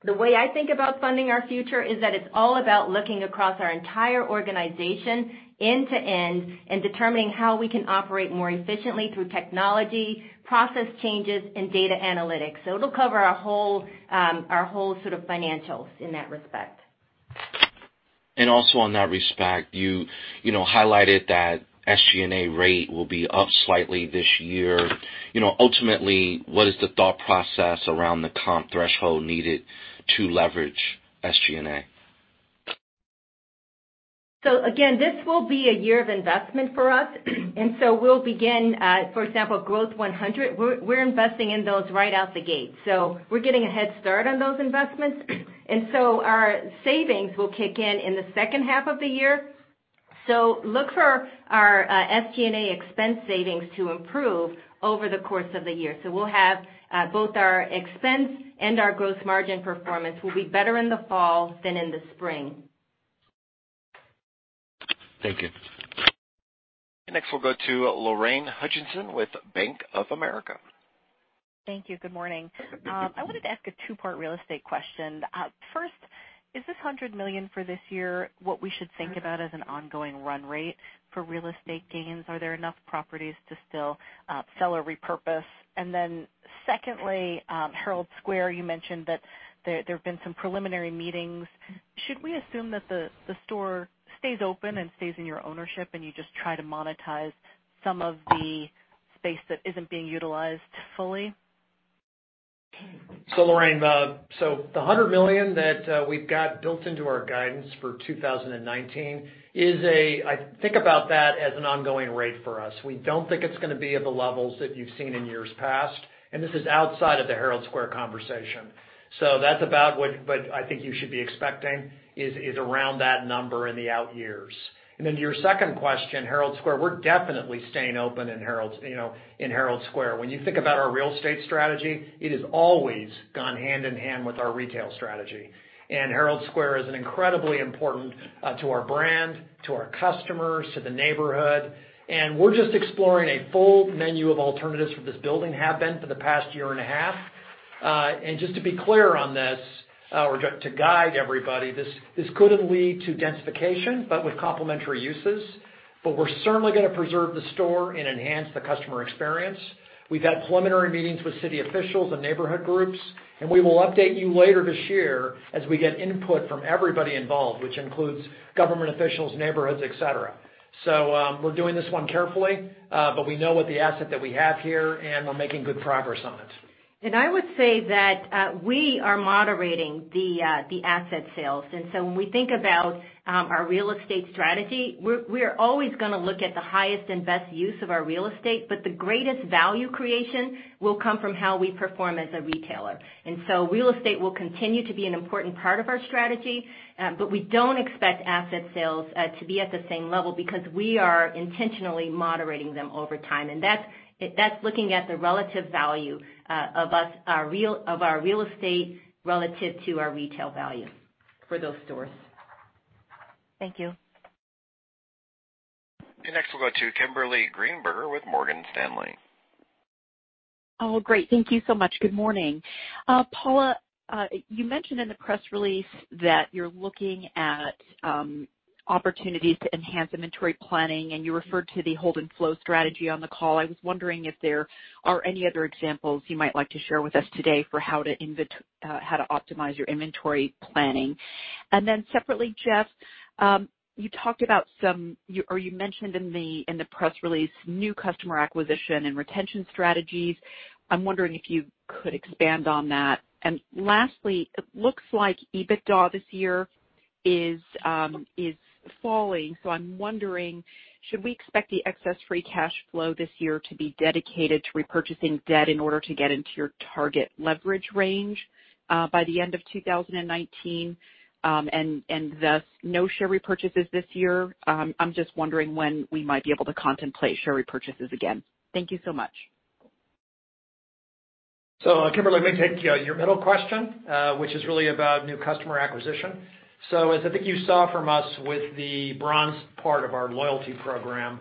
The way I think about Funding Our Future is that it's all about looking across our entire organization end to end and determining how we can operate more efficiently through technology, process changes, and data analytics. It'll cover our whole sort of financials in that respect. Also in that respect, you highlighted that SG&A rate will be up slightly this year. Ultimately, what is the thought process around the comp threshold needed to leverage SG&A? Again, this will be a year of investment for us. We'll begin, for example, Growth 100. We're investing in those right out the gate. We're getting a head start on those investments. Our savings will kick in in the second half of the year. Look for our SG&A expense savings to improve over the course of the year. We'll have both our expense and our gross margin performance will be better in the fall than in the spring. Thank you. We'll go to Lorraine Hutchinson with Bank of America. Thank you. Good morning. I wanted to ask a two-part real estate question. First Is this $100 million for this year, what we should think about as an ongoing run rate for real estate gains? Are there enough properties to still sell or repurpose? Secondly, Herald Square, you mentioned that there have been some preliminary meetings. Should we assume that the store stays open and stays in your ownership, and you just try to monetize some of the space that isn't being utilized fully? Lorraine, the $100 million that we've got built into our guidance for 2019 is I think about that as an ongoing rate for us. We don't think it's going to be at the levels that you've seen in years past, and this is outside of the Herald Square conversation. That's about what I think you should be expecting, is around that number in the out years. To your second question, Herald Square, we're definitely staying open in Herald Square. When you think about our real estate strategy, it has always gone hand in hand with our retail strategy. Herald Square is incredibly important to our brand, to our customers, to the neighborhood, and we're just exploring a full menu of alternatives for this building, have been for the past year and a half. Just to be clear on this, or to guide everybody, this could lead to densification, but with complementary uses. We're certainly going to preserve the store and enhance the customer experience. We've had preliminary meetings with city officials and neighborhood groups, we will update you later this year as we get input from everybody involved, which includes government officials, neighborhoods, et cetera. We're doing this one carefully, but we know what the asset that we have here, and we're making good progress on it. I would say that we are moderating the asset sales. When we think about our real estate strategy, we are always going to look at the highest and best use of our real estate, but the greatest value creation will come from how we perform as a retailer. Real estate will continue to be an important part of our strategy, but we don't expect asset sales to be at the same level because we are intentionally moderating them over time. That's looking at the relative value of our real estate relative to our retail value for those stores. Thank you. Next we'll go to Kimberly Greenberger with Morgan Stanley. Oh, great. Thank you so much. Good morning. Paula, you mentioned in the press release that you're looking at opportunities to enhance inventory planning, and you referred to the hold and flow strategy on the call. I was wondering if there are any other examples you might like to share with us today for how to optimize your inventory planning. Separately, Jeff, you talked about or you mentioned in the press release, new customer acquisition and retention strategies. I'm wondering if you could expand on that. Lastly, it looks like EBITDA this year is falling. I'm wondering, should we expect the excess free cash flow this year to be dedicated to repurchasing debt in order to get into your target leverage range by the end of 2019, and thus no share repurchases this year? I'm just wondering when we might be able to contemplate share repurchases again. Thank you so much. Kimberly, let me take your middle question, which is really about new customer acquisition. As I think you saw from us with the bronze part of our loyalty program,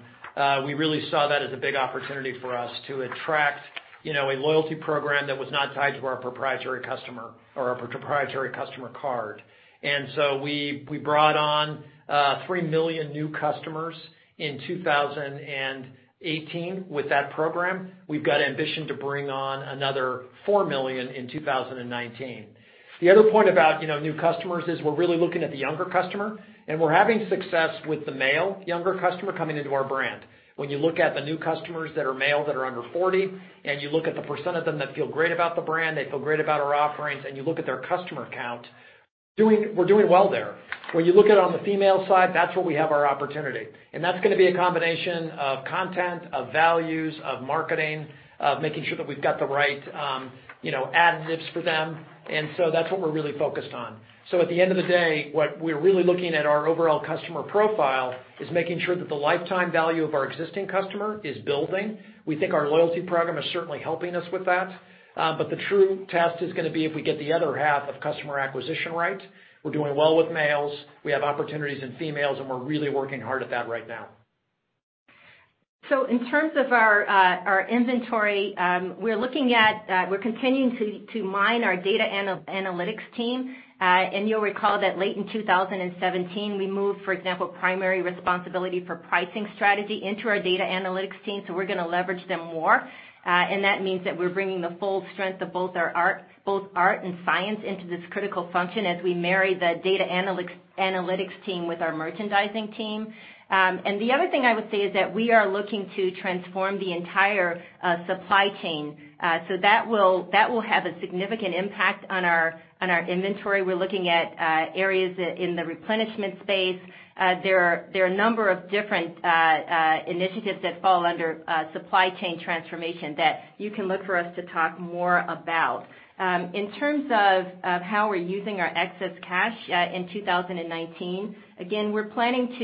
we really saw that as a big opportunity for us to attract a loyalty program that was not tied to our proprietary customer or our proprietary customer card. We brought on 3 million new customers in 2018 with that program. We've got ambition to bring on another 4 million in 2019. The other point about new customers is we're really looking at the younger customer, and we're having success with the male younger customer coming into our brand. When you look at the new customers that are male, that are under 40, and you look at the percent of them that feel great about the brand, they feel great about our offerings, and you look at their customer count, we're doing well there. When you look at it on the female side, that's where we have our opportunity. That's going to be a combination of content, of values, of marketing, of making sure that we've got the right additives for them. That's what we're really focused on. At the end of the day, what we're really looking at our overall customer profile is making sure that the lifetime value of our existing customer is building. We think our loyalty program is certainly helping us with that. The true test is going to be if we get the other half of customer acquisition right. We're doing well with males. We have opportunities in females, and we're really working hard at that right now. In terms of our inventory, we're continuing to mine our data analytics team. You'll recall that late in 2017, we moved, for example, primary responsibility for pricing strategy into our data analytics team. We're going to leverage them more. That means that we're bringing the full strength of both art and science into this critical function as we marry the data analytics team with our merchandising team. The other thing I would say is that we are looking to transform the entire supply chain. That will have a significant impact on our inventory. We're looking at areas in the replenishment space. There are a number of different initiatives that fall under supply chain transformation that you can look for us to talk more about. In terms of how we're using our excess cash in 2019, again, we're planning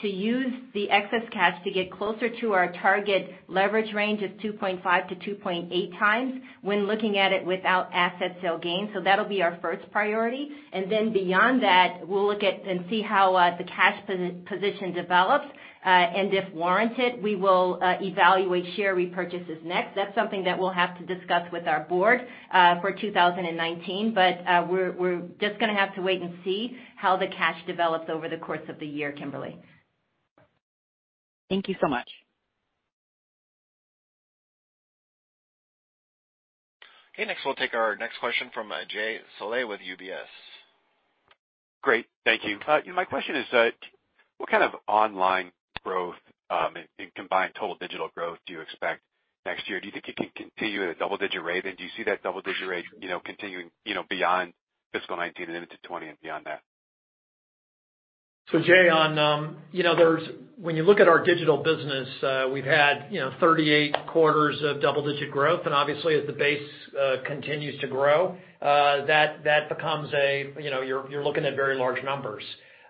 to use the excess cash to get closer to our target leverage range of 2.5 to 2.8 times when looking at it without asset sale gains. That'll be our first priority. Beyond that, we'll look at and see how the cash position develops. If warranted, we will evaluate share repurchases next. That's something that we'll have to discuss with our board for 2019, we're just going to have to wait and see how the cash develops over the course of the year, Kimberly. Thank you so much. Next we'll take our next question from Jay Sole with UBS. Great. Thank you. My question is, what kind of online growth in combined total digital growth do you expect next year? Do you think it can continue at a double-digit rate? Do you see that double-digit rate continuing beyond fiscal 2019 and into 2020 and beyond that? Jay, when you look at our digital business, we've had 38 quarters of double-digit growth. Obviously as the base continues to grow, you're looking at very large numbers.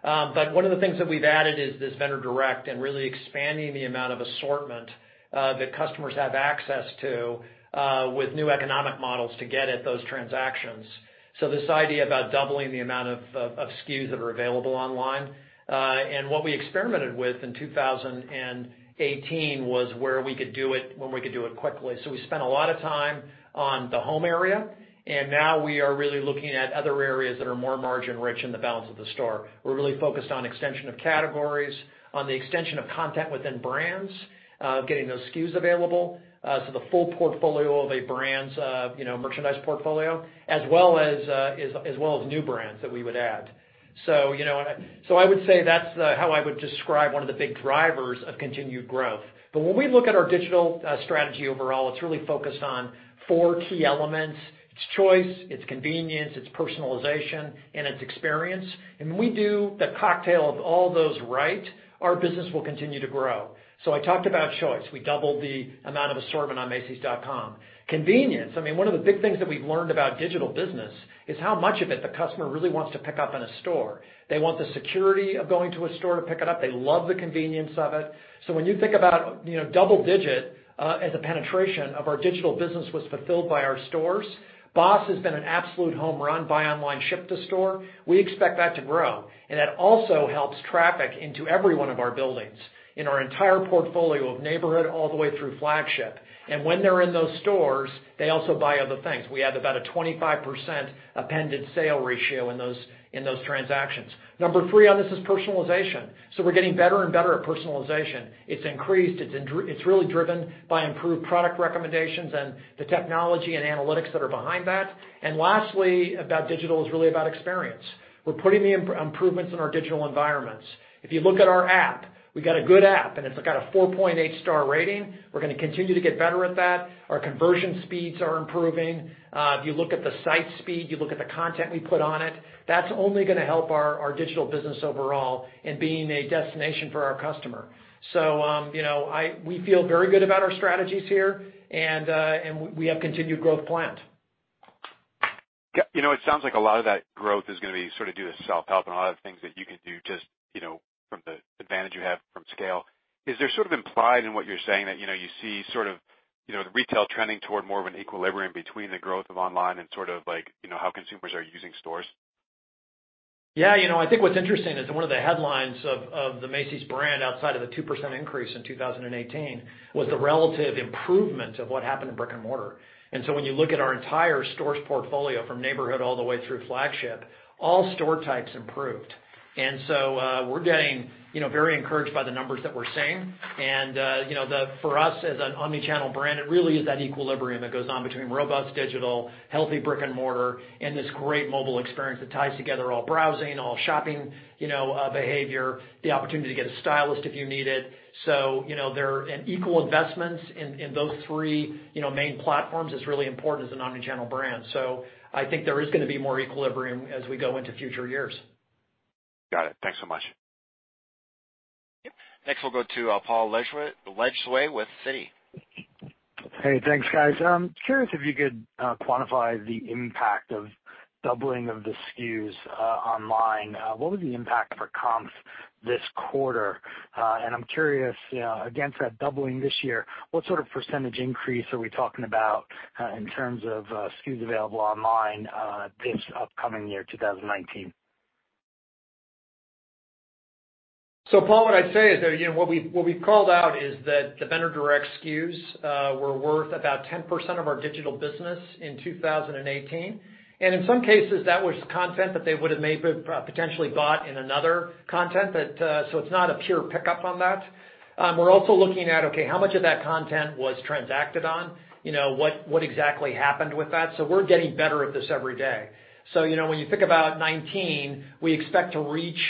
One of the things that we've added is this Vendor Direct and really expanding the amount of assortment that customers have access to with new economic models to get at those transactions. This idea about doubling the amount of SKUs that are available online. What we experimented with in 2018 was where we could do it, when we could do it quickly. We spent a lot of time on the home area. Now we are really looking at other areas that are more margin-rich in the balance of the store. We're really focused on extension of categories, on the extension of content within brands, getting those SKUs available. The full portfolio of a brand's merchandise portfolio, as well as new brands that we would add. I would say that's how I would describe one of the big drivers of continued growth. When we look at our digital strategy overall, it's really focused on four key elements. It's choice, it's convenience, it's personalization, and it's experience. When we do the cocktail of all those right, our business will continue to grow. I talked about choice. We doubled the amount of assortment on macys.com. Convenience, one of the big things that we've learned about digital business is how much of it the customer really wants to pick up in a store. They want the security of going to a store to pick it up. They love the convenience of it. When you think about double digit as a penetration of our digital business was fulfilled by our stores, BOSS has been an absolute home run, buy online, ship to store. We expect that to grow. That also helps traffic into every one of our buildings in our entire portfolio of neighborhood, all the way through flagship. When they're in those stores, they also buy other things. We add about a 25% appended sale ratio in those transactions. Number 3 on this is personalization. We're getting better and better at personalization. It's increased. It's really driven by improved product recommendations and the technology and analytics that are behind that. Lastly, about digital is really about experience. We're putting the improvements in our digital environments. If you look at our app, we've got a good app, and it's got a 4.8-star rating. We're going to continue to get better at that. Our conversion speeds are improving. If you look at the site speed, you look at the content we put on it, that's only going to help our digital business overall in being a destination for our customer. We feel very good about our strategies here, and we have continued growth planned. Yeah. It sounds like a lot of that growth is going to be due to self-help and a lot of the things that you can do just from the advantage you have from scale. Is there sort of implied in what you're saying that you see the retail trending toward more of an equilibrium between the growth of online and how consumers are using stores? Yeah, I think what's interesting is that one of the headlines of the Macy's brand outside of the 2% increase in 2018 was the relative improvement of what happened in brick and mortar. When you look at our entire stores portfolio from neighborhood all the way through flagship, all store types improved. We're getting very encouraged by the numbers that we're seeing. For us as an omnichannel brand, it really is that equilibrium that goes on between robust digital, healthy brick and mortar, and this great mobile experience that ties together all browsing, all shopping behavior, the opportunity to get a stylist if you need it. Equal investments in those three main platforms is really important as an omnichannel brand. I think there is going to be more equilibrium as we go into future years. Got it. Thanks so much. Yep. Next, we'll go to Paul Lejuez with Citi. Hey, thanks, guys. Curious if you could quantify the impact of doubling of the SKUs online. What was the impact for comps this quarter? I'm curious, again, for that doubling this year, what sort of % increase are we talking about in terms of SKUs available online this upcoming year, 2019? Paul, what I'd say is that what we've called out is that the Vendor Direct SKUs were worth about 10% of our digital business in 2018. In some cases, that was content that they would've maybe potentially bought in another content, so it's not a pure pickup on that. We're also looking at, okay, how much of that content was transacted on? What exactly happened with that? We're getting better at this every day. When you think about 2019, we expect to reach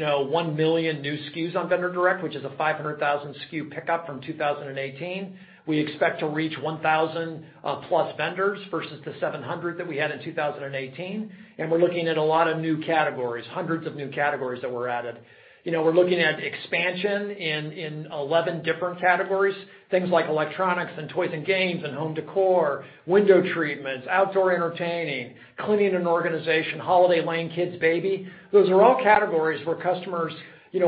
1 million new SKUs on Vendor Direct, which is a 500,000 SKU pickup from 2018. We expect to reach 1,000-plus vendors versus the 700 that we had in 2018. We're looking at a lot of new categories, hundreds of new categories that were added. We're looking at expansion in 11 different categories. Things like electronics and toys and games and home decor, window treatments, outdoor entertaining, cleaning and organization, holiday, lane kids baby. Those are all categories where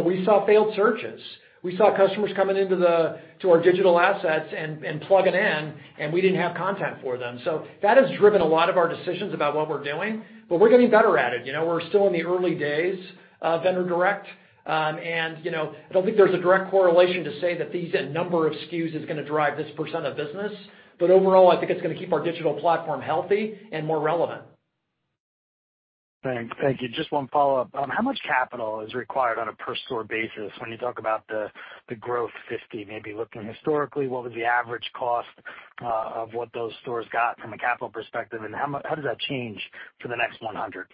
we saw failed searches. We saw customers coming into our digital assets and plugging in, and we didn't have content for them. That has driven a lot of our decisions about what we're doing, but we're getting better at it. We're still in the early days of Vendor Direct. I don't think there's a direct correlation to say that these number of SKUs is going to drive this % of business. Overall, I think it's going to keep our digital platform healthy and more relevant. Thanks. Thank you. Just one follow-up. How much capital is required on a per store basis when you talk about the Growth 50? Maybe looking historically, what was the average cost of what those stores got from a capital perspective, and how does that change for the next 100?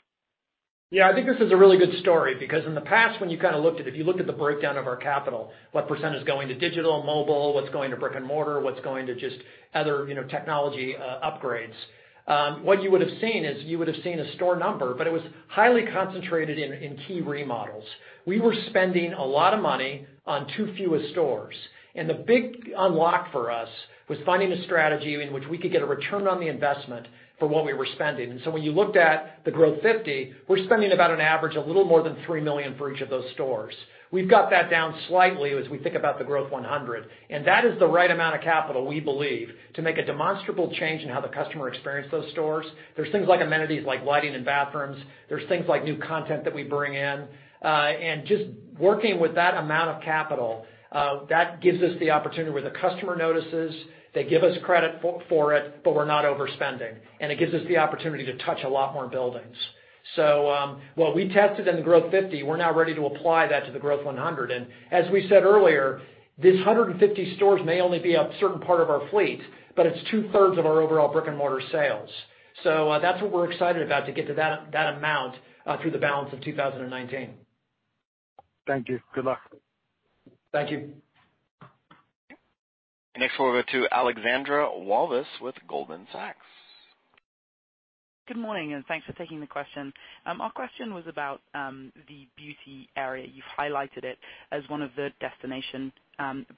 Yeah, I think this is a really good story because in the past, when you kind of looked at the breakdown of our capital, what % is going to digital, mobile, what's going to brick and mortar, what's going to just other technology upgrades. What you would've seen is you would've seen a store number, but it was highly concentrated in key remodels. We were spending a lot of money on too few stores. The big unlock for us was finding a strategy in which we could get a return on the investment for what we were spending. When you looked at the Growth 50, we're spending about an average a little more than $3 million for each of those stores. We've got that down slightly as we think about the Growth 100. That is the right amount of capital, we believe, to make a demonstrable change in how the customer experienced those stores. There's things like amenities, like lighting and bathrooms. There's things like new content that we bring in. Just working with that amount of capital, that gives us the opportunity where the customer notices, they give us credit for it, but we're not overspending, and it gives us the opportunity to touch a lot more buildings. What we tested in the Growth 50, we're now ready to apply that to the Growth 100. As we said earlier, these 150 stores may only be a certain part of our fleet, but it's two-thirds of our overall brick-and-mortar sales. That's what we're excited about to get to that amount, through the balance of 2019. Thank you. Good luck. Thank you. Next, we'll go to Alexandra Walvis with Goldman Sachs. Good morning, thanks for taking the question. Our question was about the beauty area. You've highlighted it as one of the destination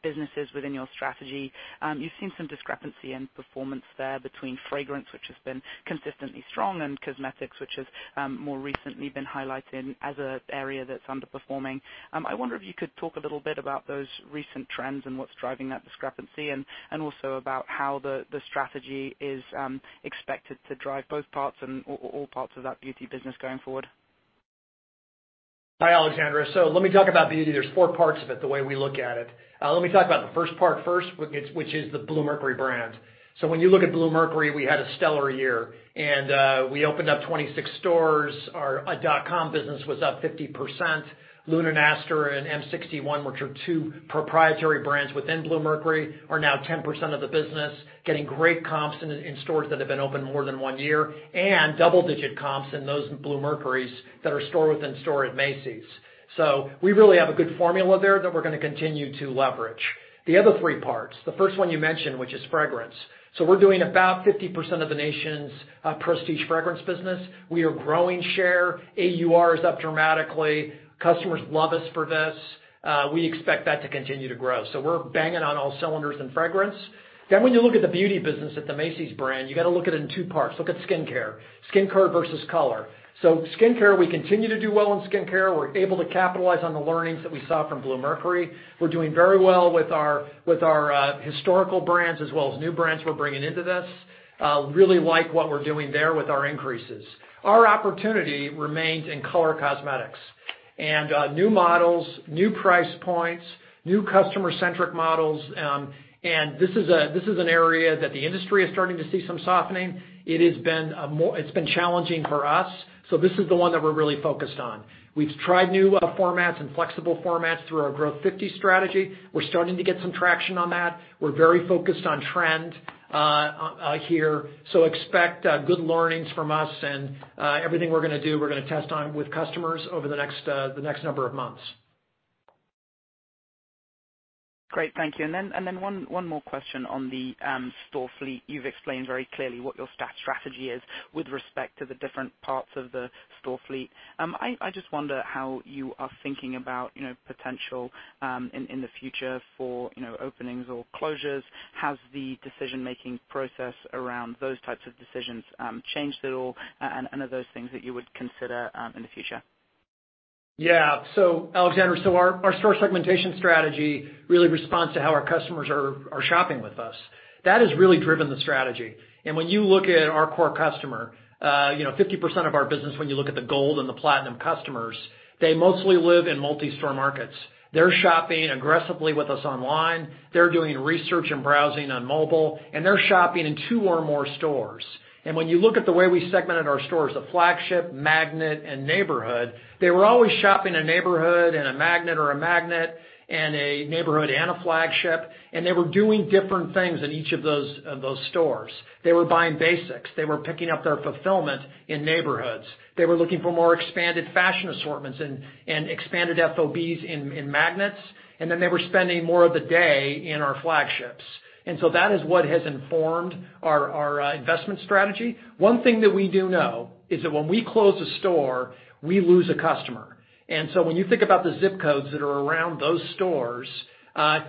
businesses within your strategy. You've seen some discrepancy in performance there between fragrance, which has been consistently strong, and cosmetics, which has more recently been highlighted as an area that's underperforming. I wonder if you could talk a little bit about those recent trends and what's driving that discrepancy and also about how the strategy is expected to drive both parts and all parts of that beauty business going forward. Hi, Alexandra. Let me talk about beauty. There's 4 parts of it, the way we look at it. Let me talk about the first part first, which is the Bluemercury brand. When you look at Bluemercury, we had a stellar year, we opened up 26 stores. Our macys.com business was up 50%. Lune+Aster and M-61, which are 2 proprietary brands within Bluemercury, are now 10% of the business, getting great comps in stores that have been open more than 1 year, and double-digit comps in those Bluemercurys that are store within store at Macy's. We really have a good formula there that we're going to continue to leverage. The other 3 parts, the first one you mentioned, which is fragrance. We're doing about 50% of the nation's prestige fragrance business. We are growing share. AUR is up dramatically. Customers love us for this. We expect that to continue to grow. We're banging on all cylinders in fragrance. When you look at the beauty business at the Macy's brand, you got to look at it in 2 parts. Look at skincare. Skincare versus color. Skincare, we continue to do well in skincare. We're able to capitalize on the learnings that we saw from Bluemercury. We're doing very well with our historical brands as well as new brands we're bringing into this. Really like what we're doing there with our increases. Our opportunity remains in color cosmetics and new models, new price points, new customer-centric models. This is an area that the industry is starting to see some softening. It's been challenging for us. This is the one that we're really focused on. We've tried new formats and flexible formats through our Growth 50 strategy. We're starting to get some traction on that. We're very focused on trend here, expect good learnings from us and everything we're going to do, we're going to test on with customers over the next number of months. Great. Thank you. One more question on the store fleet. You've explained very clearly what your strategy is with respect to the different parts of the store fleet. I just wonder how you are thinking about potential in the future for openings or closures. Has the decision-making process around those types of decisions changed at all? Are those things that you would consider in the future? Yeah. Alexandra, our store segmentation strategy really responds to how our customers are shopping with us. That has really driven the strategy. When you look at our core customer, 50% of our business, when you look at the gold and the platinum customers, they mostly live in multi-store markets. They're shopping aggressively with us online. They're doing research and browsing on mobile, they're shopping in two or more stores. When you look at the way we segmented our stores, the flagship, magnet, and neighborhood, they were always shopping a neighborhood and a magnet or a magnet and a neighborhood and a flagship, they were doing different things in each of those stores. They were buying basics. They were picking up their fulfillment in neighborhoods. They were looking for more expanded fashion assortments and expanded FOBs in magnets. They were spending more of the day in our flagships. That is what has informed our investment strategy. One thing that we do know is that when we close a store, we lose a customer. When you think about the zip codes that are around those stores,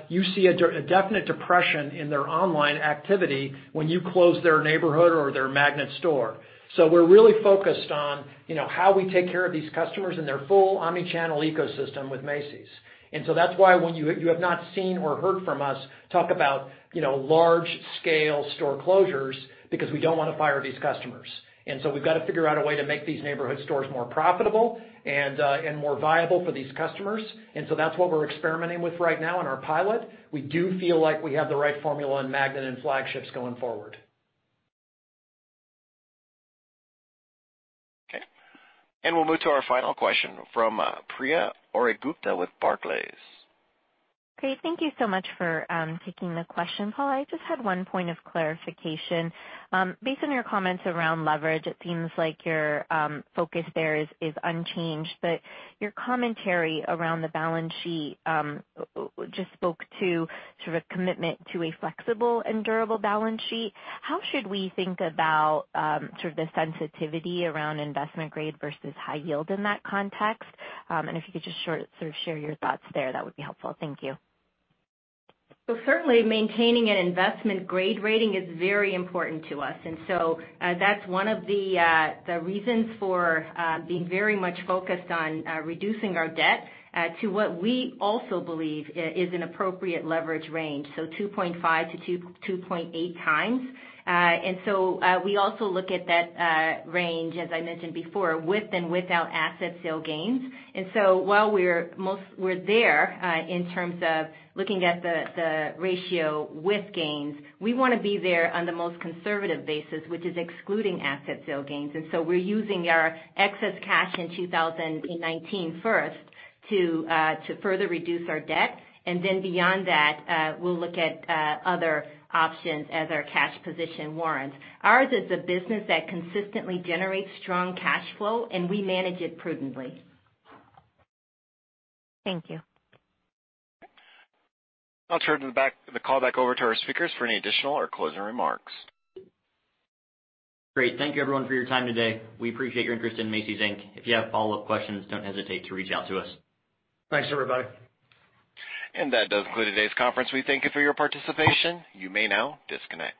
you see a definite depression in their online activity when you close their neighborhood or their magnet store. We're really focused on how we take care of these customers and their full omni-channel ecosystem with Macy's. That's why when you have not seen or heard from us talk about large-scale store closures because we don't want to fire these customers. We've got to figure out a way to make these neighborhood stores more profitable and more viable for these customers. That's what we're experimenting with right now in our pilot. We do feel like we have the right formula in magnet and flagships going forward. We'll move to our final question from Priya Ohri-Gupta with Barclays. Great. Thank you so much for taking the question, Paula. I just had one point of clarification. Based on your comments around leverage, it seems like your focus there is unchanged, but your commentary around the balance sheet just spoke to sort of commitment to a flexible and durable balance sheet. How should we think about sort of the sensitivity around investment grade versus high yield in that context? If you could just sort of share your thoughts there, that would be helpful. Thank you. Certainly maintaining an investment grade rating is very important to us, and so that's one of the reasons for being very much focused on reducing our debt to what we also believe is an appropriate leverage range. 2.5 to 2.8 times. We also look at that range, as I mentioned before, with and without asset sale gains. While we're there in terms of looking at the ratio with gains, we want to be there on the most conservative basis, which is excluding asset sale gains. We're using our excess cash in 2019 first to further reduce our debt. Then beyond that, we'll look at other options as our cash position warrants. Ours is a business that consistently generates strong cash flow, and we manage it prudently. Thank you. I'll turn the call back over to our speakers for any additional or closing remarks. Great. Thank you everyone for your time today. We appreciate your interest in Macy's, Inc. If you have follow-up questions, don't hesitate to reach out to us. Thanks, everybody. That does conclude today's conference. We thank you for your participation. You may now disconnect.